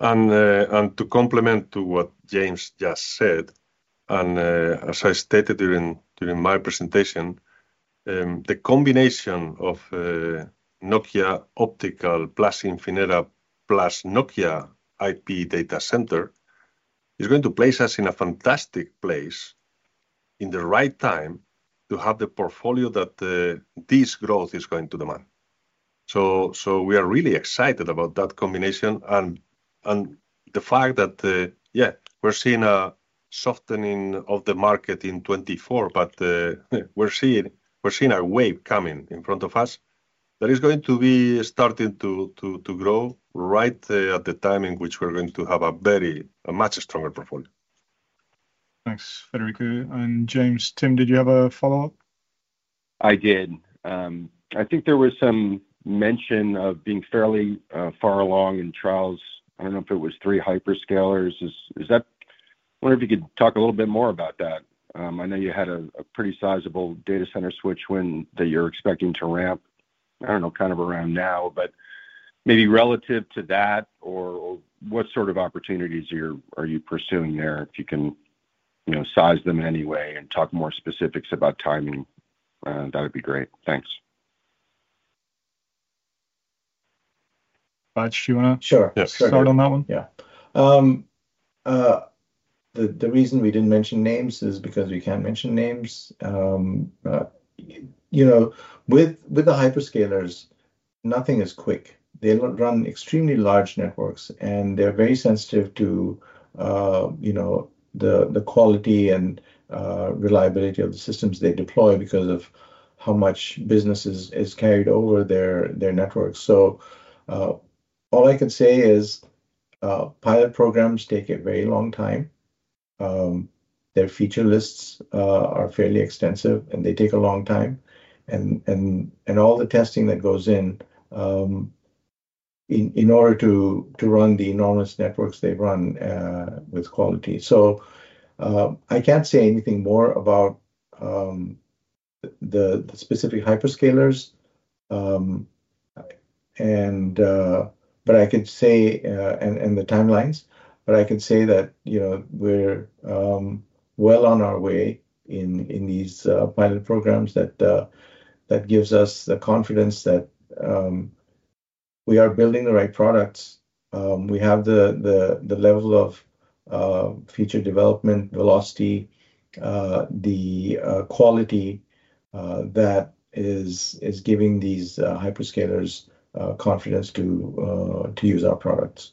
To complement what James just said, as I stated during my presentation, the combination of Nokia Optical plus Infinera plus Nokia IP Data Center is going to place us in a fantastic place in the right time to have the portfolio that this growth is going to demand. So we are really excited about that combination, and the fact that, yeah, we're seeing a softening of the market in 2024, but we're seeing a wave coming in front of us that is going to be starting to grow right at the time in which we're going to have a very much stronger portfolio. Thanks, Federico and James. Tim, did you have a follow-up? I did. I think there was some mention of being fairly far along in trials. I don't know if it was three hyperscalers. Is that... I wonder if you could talk a little bit more about that. I know you had a pretty sizable data center switch that you're expecting to ramp, I don't know, kind of around now. But maybe relative to that, or what sort of opportunities are you pursuing there? If you can, you know, size them any way and talk more specifics about timing, that'd be great. Thanks. Vach, do you wanna- Sure. Start on that one? Yeah. The reason we didn't mention names is because we can't mention names. You know, with the hyperscalers, nothing is quick. They run extremely large networks, and they're very sensitive to, you know, the quality and reliability of the systems they deploy because of how much business is carried over their networks. So, all I can say is, pilot programs take a very long time. Their feature lists are fairly extensive, and they take a long time, and all the testing that goes in, in order to run the enormous networks they run, with quality. So, I can't say anything more about the specific hyperscalers. But I could say that, you know, we're well on our way in these pilot programs that gives us the confidence that we are building the right products. We have the level of feature development, velocity, the quality that is giving these hyperscalers confidence to use our products.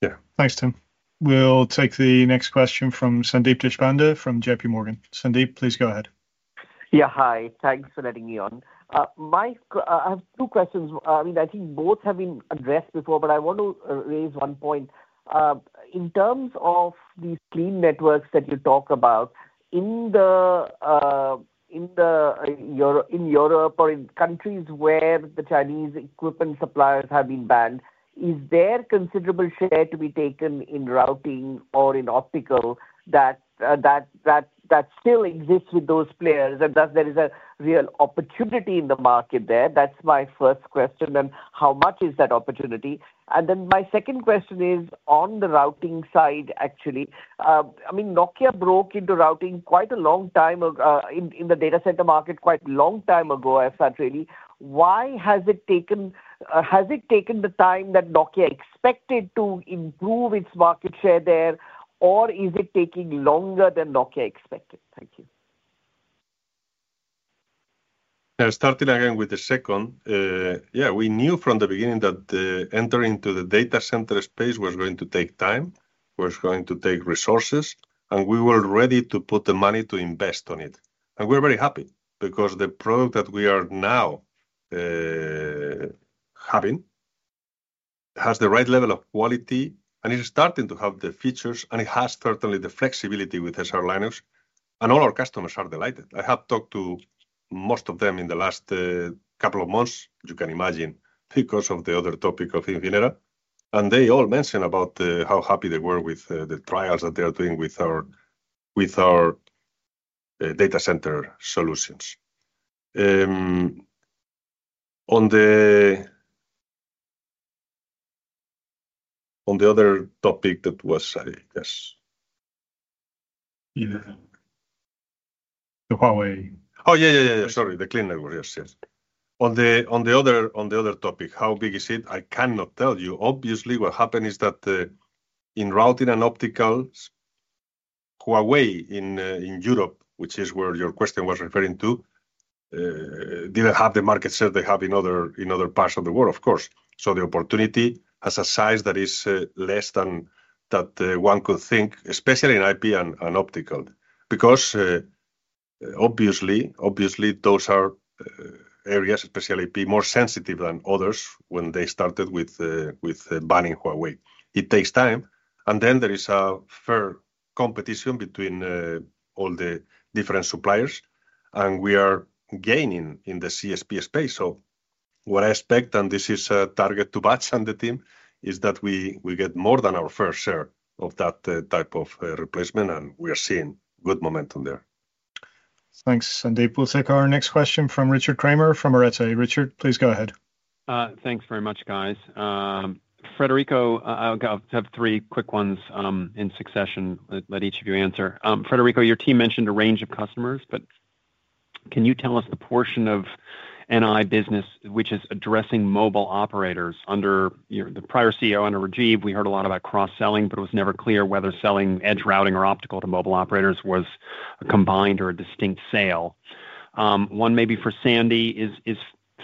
Yeah. Thanks, Tim. We'll take the next question from Sandeep Deshpande from JPMorgan. Sandeep, please go ahead. Yeah, hi. Thanks for letting me on. Mike, I have two questions. I mean, I think both have been addressed before, but I want to raise one point. In terms of these Clean Networks that you talk about, in Europe or in countries where the Chinese equipment suppliers have been banned, is there considerable share to be taken in routing or in optical that still exists with those players, and thus there is a real opportunity in the market there? That's my first question. And how much is that opportunity? And then my second question is on the routing side, actually. I mean, Nokia broke into routing quite a long time ago, in the data center market, quite a long time ago, as such, really. Why has it taken... Has it taken the time that Nokia expected to improve its market share there, or is it taking longer than Nokia expected? Thank you. Yeah, starting again with the second. Yeah, we knew from the beginning that the entry into the data center space was going to take time, was going to take resources, and we were ready to put the money to invest on it. And we're very happy because the product that we are now having has the right level of quality, and it is starting to have the features, and it has certainly the flexibility with SR Linux, and all our customers are delighted. I have talked to most of them in the last couple of months, you can imagine, because of the other topic of Infinera, and they all mentioned about the, how happy they were with the trials that they are doing with our data center solutions. On the other topic, that was, I guess- The Huawei. Oh, yeah. Sorry, the Clean Networks. Yes. On the other topic, how big is it? I cannot tell you. Obviously, what happened is that in routing and optical, Huawei in Europe, which is where your question was referring to, didn't have the market share they have in other parts of the world, of course. So the opportunity has a size that is less than that one could think, especially in IP and optical. Because obviously, those are areas, especially IP, more sensitive than others when they started with banning Huawei. It takes time, and then there is a fair competition between all the different suppliers, and we are gaining in the CSP space. So what I expect, and this is a target to batch on the team, is that we get more than our fair share of that type of replacement, and we are seeing good momentum there. Thanks, Sandeep. We'll take our next question from Richard Kramer from Arete. Richard, please go ahead. Thanks very much, guys. Federico, I have three quick ones in succession. Let each of you answer. Federico, your team mentioned a range of customers, but can you tell us the portion of NI business which is addressing mobile operators? Under, you know, the prior CEO, under Rajeev, we heard a lot about cross-selling, but it was never clear whether selling edge routing or optical to mobile operators was a combined or a distinct sale. One maybe for Sandy, is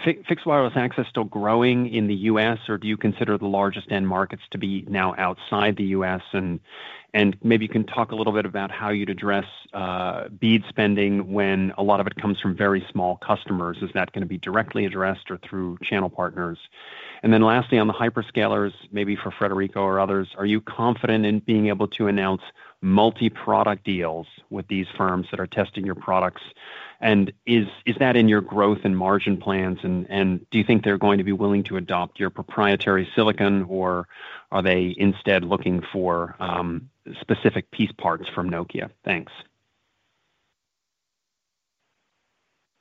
fixed wireless access still growing in the U.S., or do you consider the largest end markets to be now outside the U.S? And maybe you can talk a little bit about how you'd address BEAD spending when a lot of it comes from very small customers. Is that gonna be directly addressed or through channel partners? And then lastly, on the hyperscalers, maybe for Federico or others, are you confident in being able to announce multi-product deals with these firms that are testing your products? And is that in your growth and margin plans, and do you think they're going to be willing to adopt your proprietary silicon, or are they instead looking for specific piece parts from Nokia? Thanks.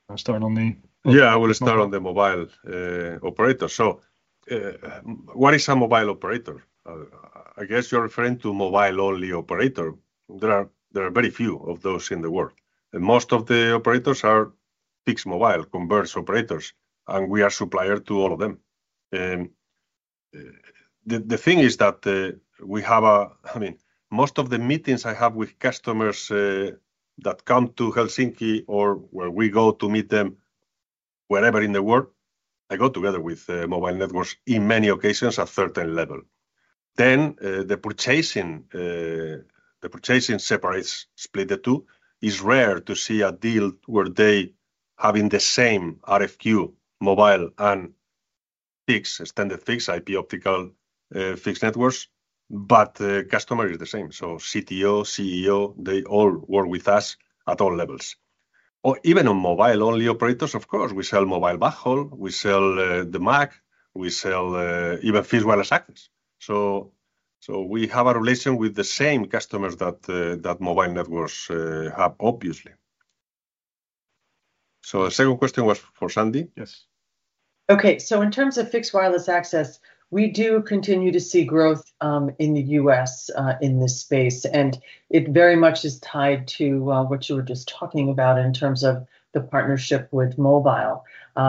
I'll start on the- Yeah, I will start on the mobile, operator. So, what is a mobile operator? I guess you're referring to mobile-only operator. There are very few of those in the world. And most of the operators are fixed mobile converged operators, and we are supplier to all of them. The thing is that, we have a... I mean, most of the meetings I have with customers, that come to Helsinki or where we go to meet them wherever in the world, I go together with, mobile networks, in many occasions, a certain level. Then, the purchasing separates, split the two. It's rare to see a deal where they having the same RFQ, mobile and fixed, standard fixed, Fixed Networks, but the customer is the same. So CTO, CEO, they all work with us at all levels. Or even on mobile-only operators, of course, we sell mobile backhaul, we sell the MEC, we sell even fixed wireless access. So we have a relation with the same customers that mobile networks have, obviously. So the second question was for Sandy? Yes. Okay, so in terms of fixed wireless access, we do continue to see growth in the U.S. in this space. And it very much is tied to what you were just talking about in terms of the partnership with mobile.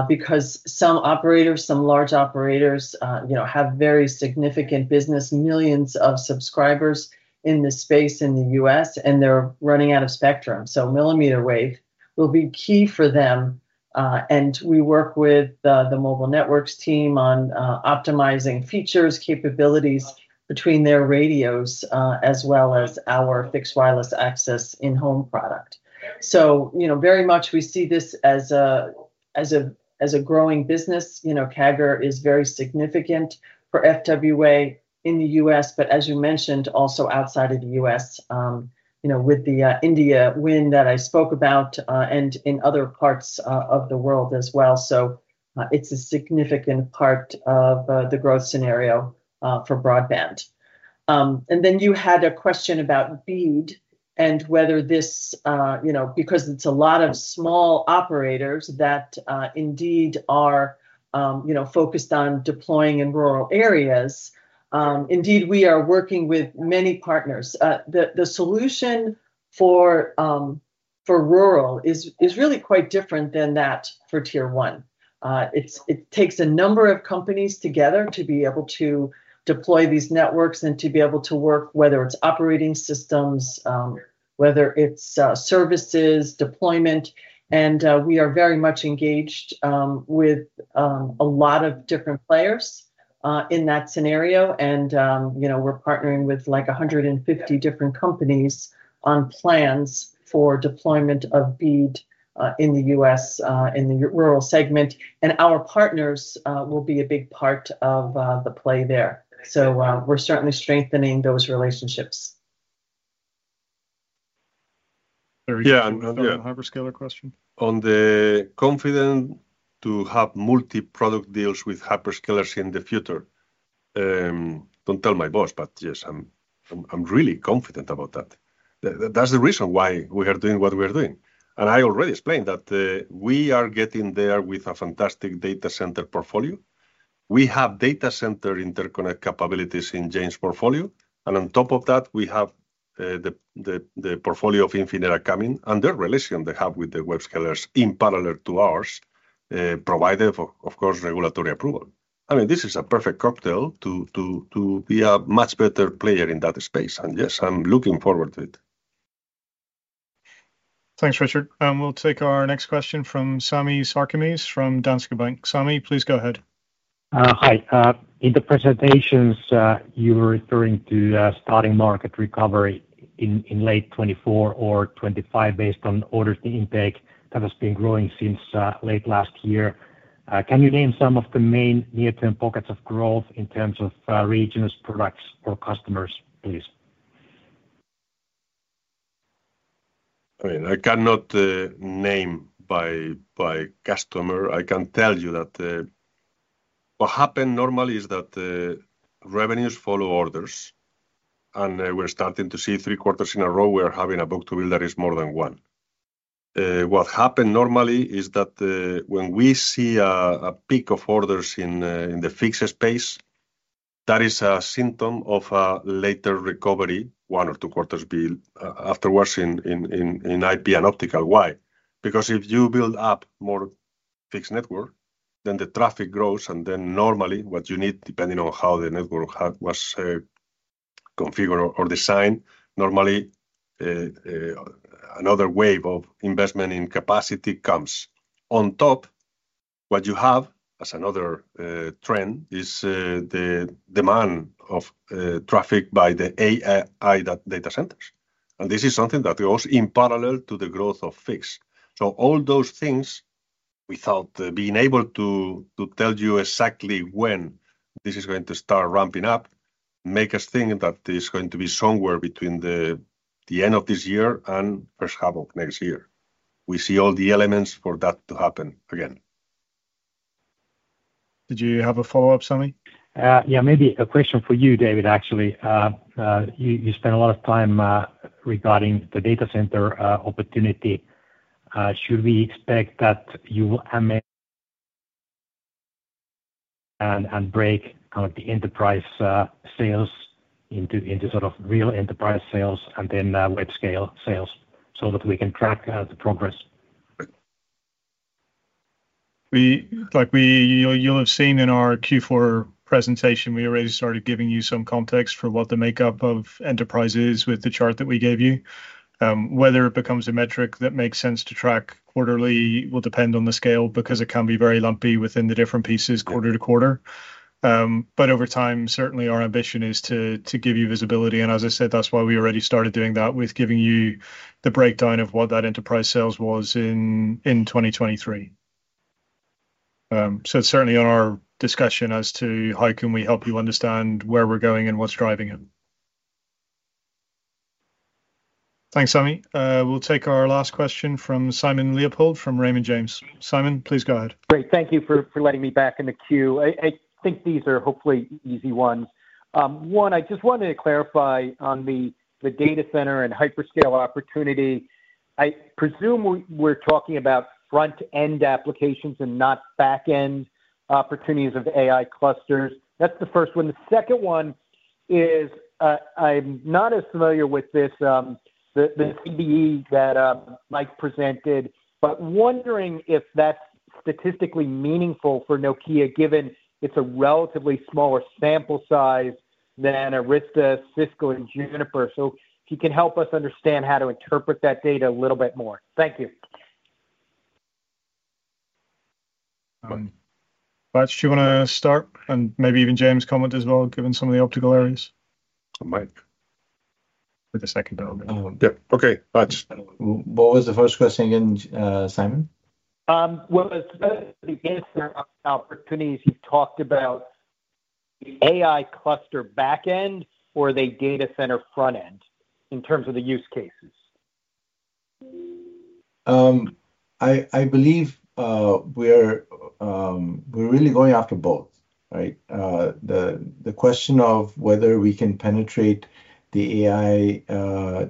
Because some operators, some large operators, you know, have very significant business, millions of subscribers in this space in the U.S., and they're running out of spectrum. So millimeter wave will be key for them. And we work with the Mobile Networks team on optimizing features, capabilities between their radios as well as our fixed wireless access in-home product. So, you know, very much we see this as a growing business. You know, CAGR is very significant for FWA in the U.S., but as you mentioned, also outside of the U.S. You know, with the India wind that I spoke about, and in other parts of the world as well. So, it's a significant part of the growth scenario for broadband. And then you had a question about BEAD, and whether this... You know, because it's a lot of small operators that indeed are, you know, focused on deploying in rural areas. Indeed, we are working with many partners. The solution for rural is really quite different than that for tier one. It takes a number of companies together to be able to deploy these networks and to be able to work, whether it's operating systems, whether it's services, deployment. And we are very much engaged with a lot of different players in that scenario. You know, we're partnering with, like, 150 different companies on plans for deployment of BEAD in the U.S., in the rural segment. Our partners will be a big part of the play there. We're certainly strengthening those relationships. Yeah, yeah. Another hyperscaler question? I'm confident to have multi-product deals with hyperscalers in the future. Don't tell my boss, but yes, I'm really confident about that. That's the reason why we are doing what we are doing. I already explained that we are getting there with a fantastic data center portfolio. We have data center interconnect capabilities in James' portfolio, and on top of that, we have the portfolio of Infinera coming. The relationship they have with the web-scalers in parallel to ours, provided for, of course, regulatory approval. I mean, this is a perfect cocktail to be a much better player in that space. Yes, I'm looking forward to it. Thanks, Richard. And we'll take our next question from Sami Sarkamies, from Danske Bank. Sami, please go ahead. Hi. In the presentations, you were referring to starting market recovery in late 2024 or 2025, based on orders and intake that has been growing since late last year. Can you name some of the main near-term pockets of growth in terms of regions, products, or customers, please? I mean, I cannot name my customer. I can tell you that what happen normally is that revenues follow orders, and we're starting to see three quarters in a row, we are having a book-to-bill that is more than one. What happen normally is that when we see a peak of orders in the fixed space, that is a symptom of a later recovery, one or two quarters later in IP and optical. Why? Because if you build up more fixed network, then the traffic grows, and then normally what you need, depending on how the network was configured or designed, normally another wave of investment in capacity comes. On top, what you have as another trend, is the demand of traffic by the AI data centers, and this is something that goes in parallel to the growth of fixed. So all those things, without being able to tell you exactly when this is going to start ramping up, make us think that it's going to be somewhere between the end of this year and first half of next year. We see all the elements for that to happen again. Did you have a follow-up, Sami? Yeah, maybe a question for you, David, actually. You spent a lot of time regarding the data center opportunity. Should we expect that you will am-... and break kind of the enterprise sales into sort of real enterprise sales and then web scale sales, so that we can track the progress? Like, you'll have seen in our Q4 presentation, we already started giving you some context for what the makeup of enterprise is, with the chart that we gave you. Whether it becomes a metric that makes sense to track quarterly will depend on the scale, because it can be very lumpy within the different pieces, quarter-to-quarter. But over time, certainly our ambition is to give you visibility. And as I said, that's why we already started doing that, with giving you the breakdown of what that enterprise sales was in 2023. So it's certainly on our discussion as to how can we help you understand where we're going and what's driving it. Thanks, Sami. We'll take our last question from Simon Leopold, from Raymond James. Simon, please go ahead. Great. Thank you for letting me back in the queue. I think these are hopefully easy ones. One, I just wanted to clarify on the data center and hyperscale opportunity. I presume we're talking about front-end applications and not back-end opportunities of AI clusters. That's the first one. The second one-... is, I'm not as familiar with this, the CVE that Mike presented, but wondering if that's statistically meaningful for Nokia, given it's a relatively smaller sample size than Arista, Cisco, and Juniper. So if you can help us understand how to interpret that data a little bit more. Thank you. Vach, do you want to start, and maybe even James comment as well, given some of the optical areas? Mike. With the second element. Yep. Okay, Vach. What was the first question again, Simon? It was the answer on opportunities. You talked about the AI cluster back end or the data center front end, in terms of the use cases. I believe we're really going after both, right? The question of whether we can penetrate the AI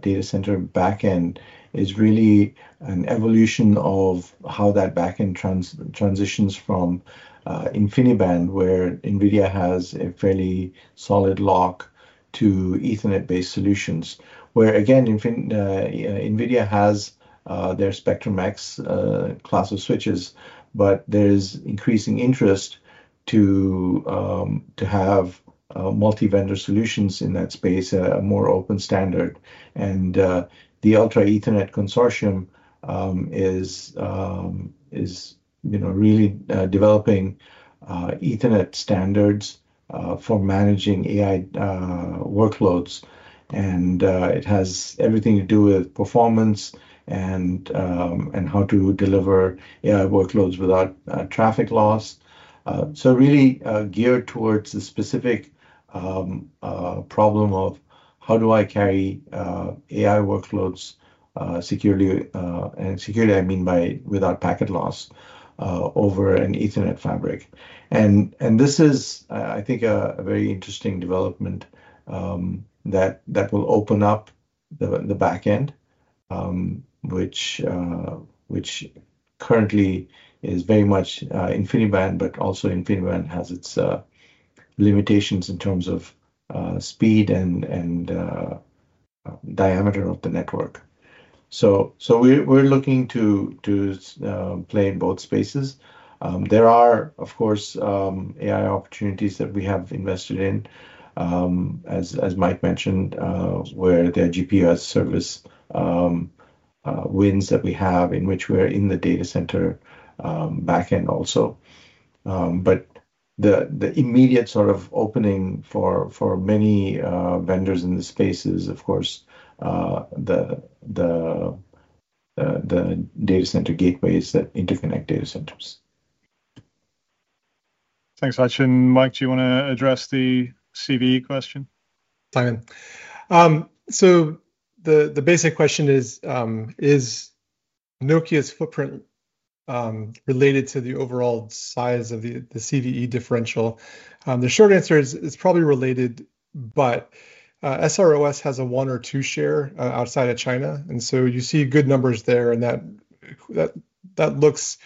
data center back end is really an evolution of how that back end transitions from InfiniBand, where NVIDIA has a fairly solid lock, to Ethernet-based solutions. Where, again, NVIDIA has their Spectrum-X class of switches, but there's increasing interest to have multi-vendor solutions in that space, a more open standard. And the Ultra Ethernet Consortium is, you know, really developing Ethernet standards for managing AI workloads. And it has everything to do with performance and how to deliver AI workloads without traffic loss. So really geared towards the specific problem of: how do I carry AI workloads securely? Securely, I mean by without packet loss over an Ethernet fabric. This is, I think, a very interesting development that will open up the back end, which currently is very much InfiniBand, but also InfiniBand has its limitations in terms of speed and diameter of the network. So we're looking to play in both spaces. There are, of course, AI opportunities that we have invested in, as Mike mentioned, where the GPUs service wins that we have in which we're in the data center back end also. But the immediate sort of opening for many vendors in this space is, of course, the data center gateways that interconnect data centers. Thanks, Vach. And, Mike, do you want to address the CVE question? Simon, so the basic question is, is Nokia's footprint related to the overall size of the CVE differential? The short answer is, it's probably related, but SR OS has a one or two share outside of China, and so you see good numbers there, and that looks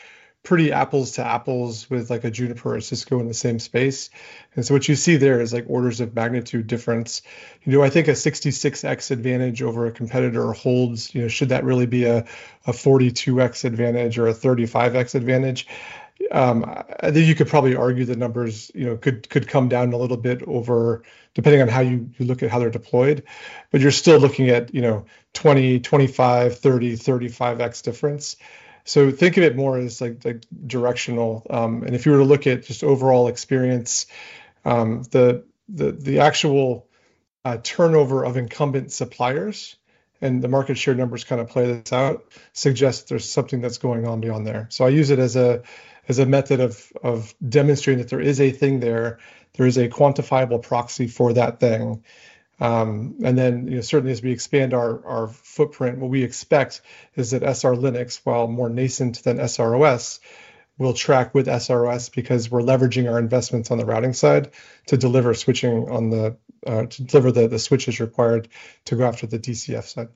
pretty apples to apples with, like, a Juniper or Cisco in the same space. And so what you see there is, like, orders of magnitude difference. Do I think a 66x advantage over a competitor holds? You know, should that really be a 42x advantage or a 35x advantage? I think you could probably argue the numbers, you know, could come down a little bit over, depending on how you look at how they're deployed, but you're still looking at, you know, 20x, 25x, 30x, 35X difference. So think of it more as, like, the directional. And if you were to look at just overall experience, the actual turnover of incumbent suppliers, and the market share numbers kind of play this out, suggest there's something that's going on beyond there. So I use it as a method of demonstrating that there is a thing there. There is a quantifiable proxy for that thing. And then, you know, certainly as we expand our footprint, what we expect is that SR Linux, while more nascent than SR OS, will track with SR OS because we're leveraging our investments on the routing side to deliver the switches required to go after the DCI side.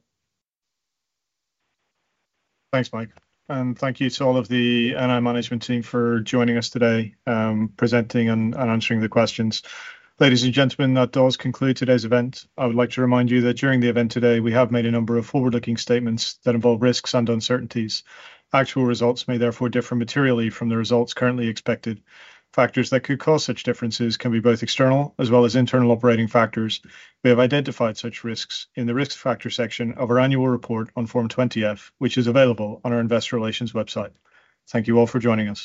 Thanks, Mike. And thank you to all of the NI management team for joining us today, presenting and answering the questions. Ladies and gentlemen, that does conclude today's event. I would like to remind you that during the event today, we have made a number of forward-looking statements that involve risks and uncertainties. Actual results may therefore differ materially from the results currently expected. Factors that could cause such differences can be both external as well as internal operating factors. We have identified such risks in the Risk Factor section of our annual report on Form 20-F, which is available on our investor relations website. Thank you all for joining us.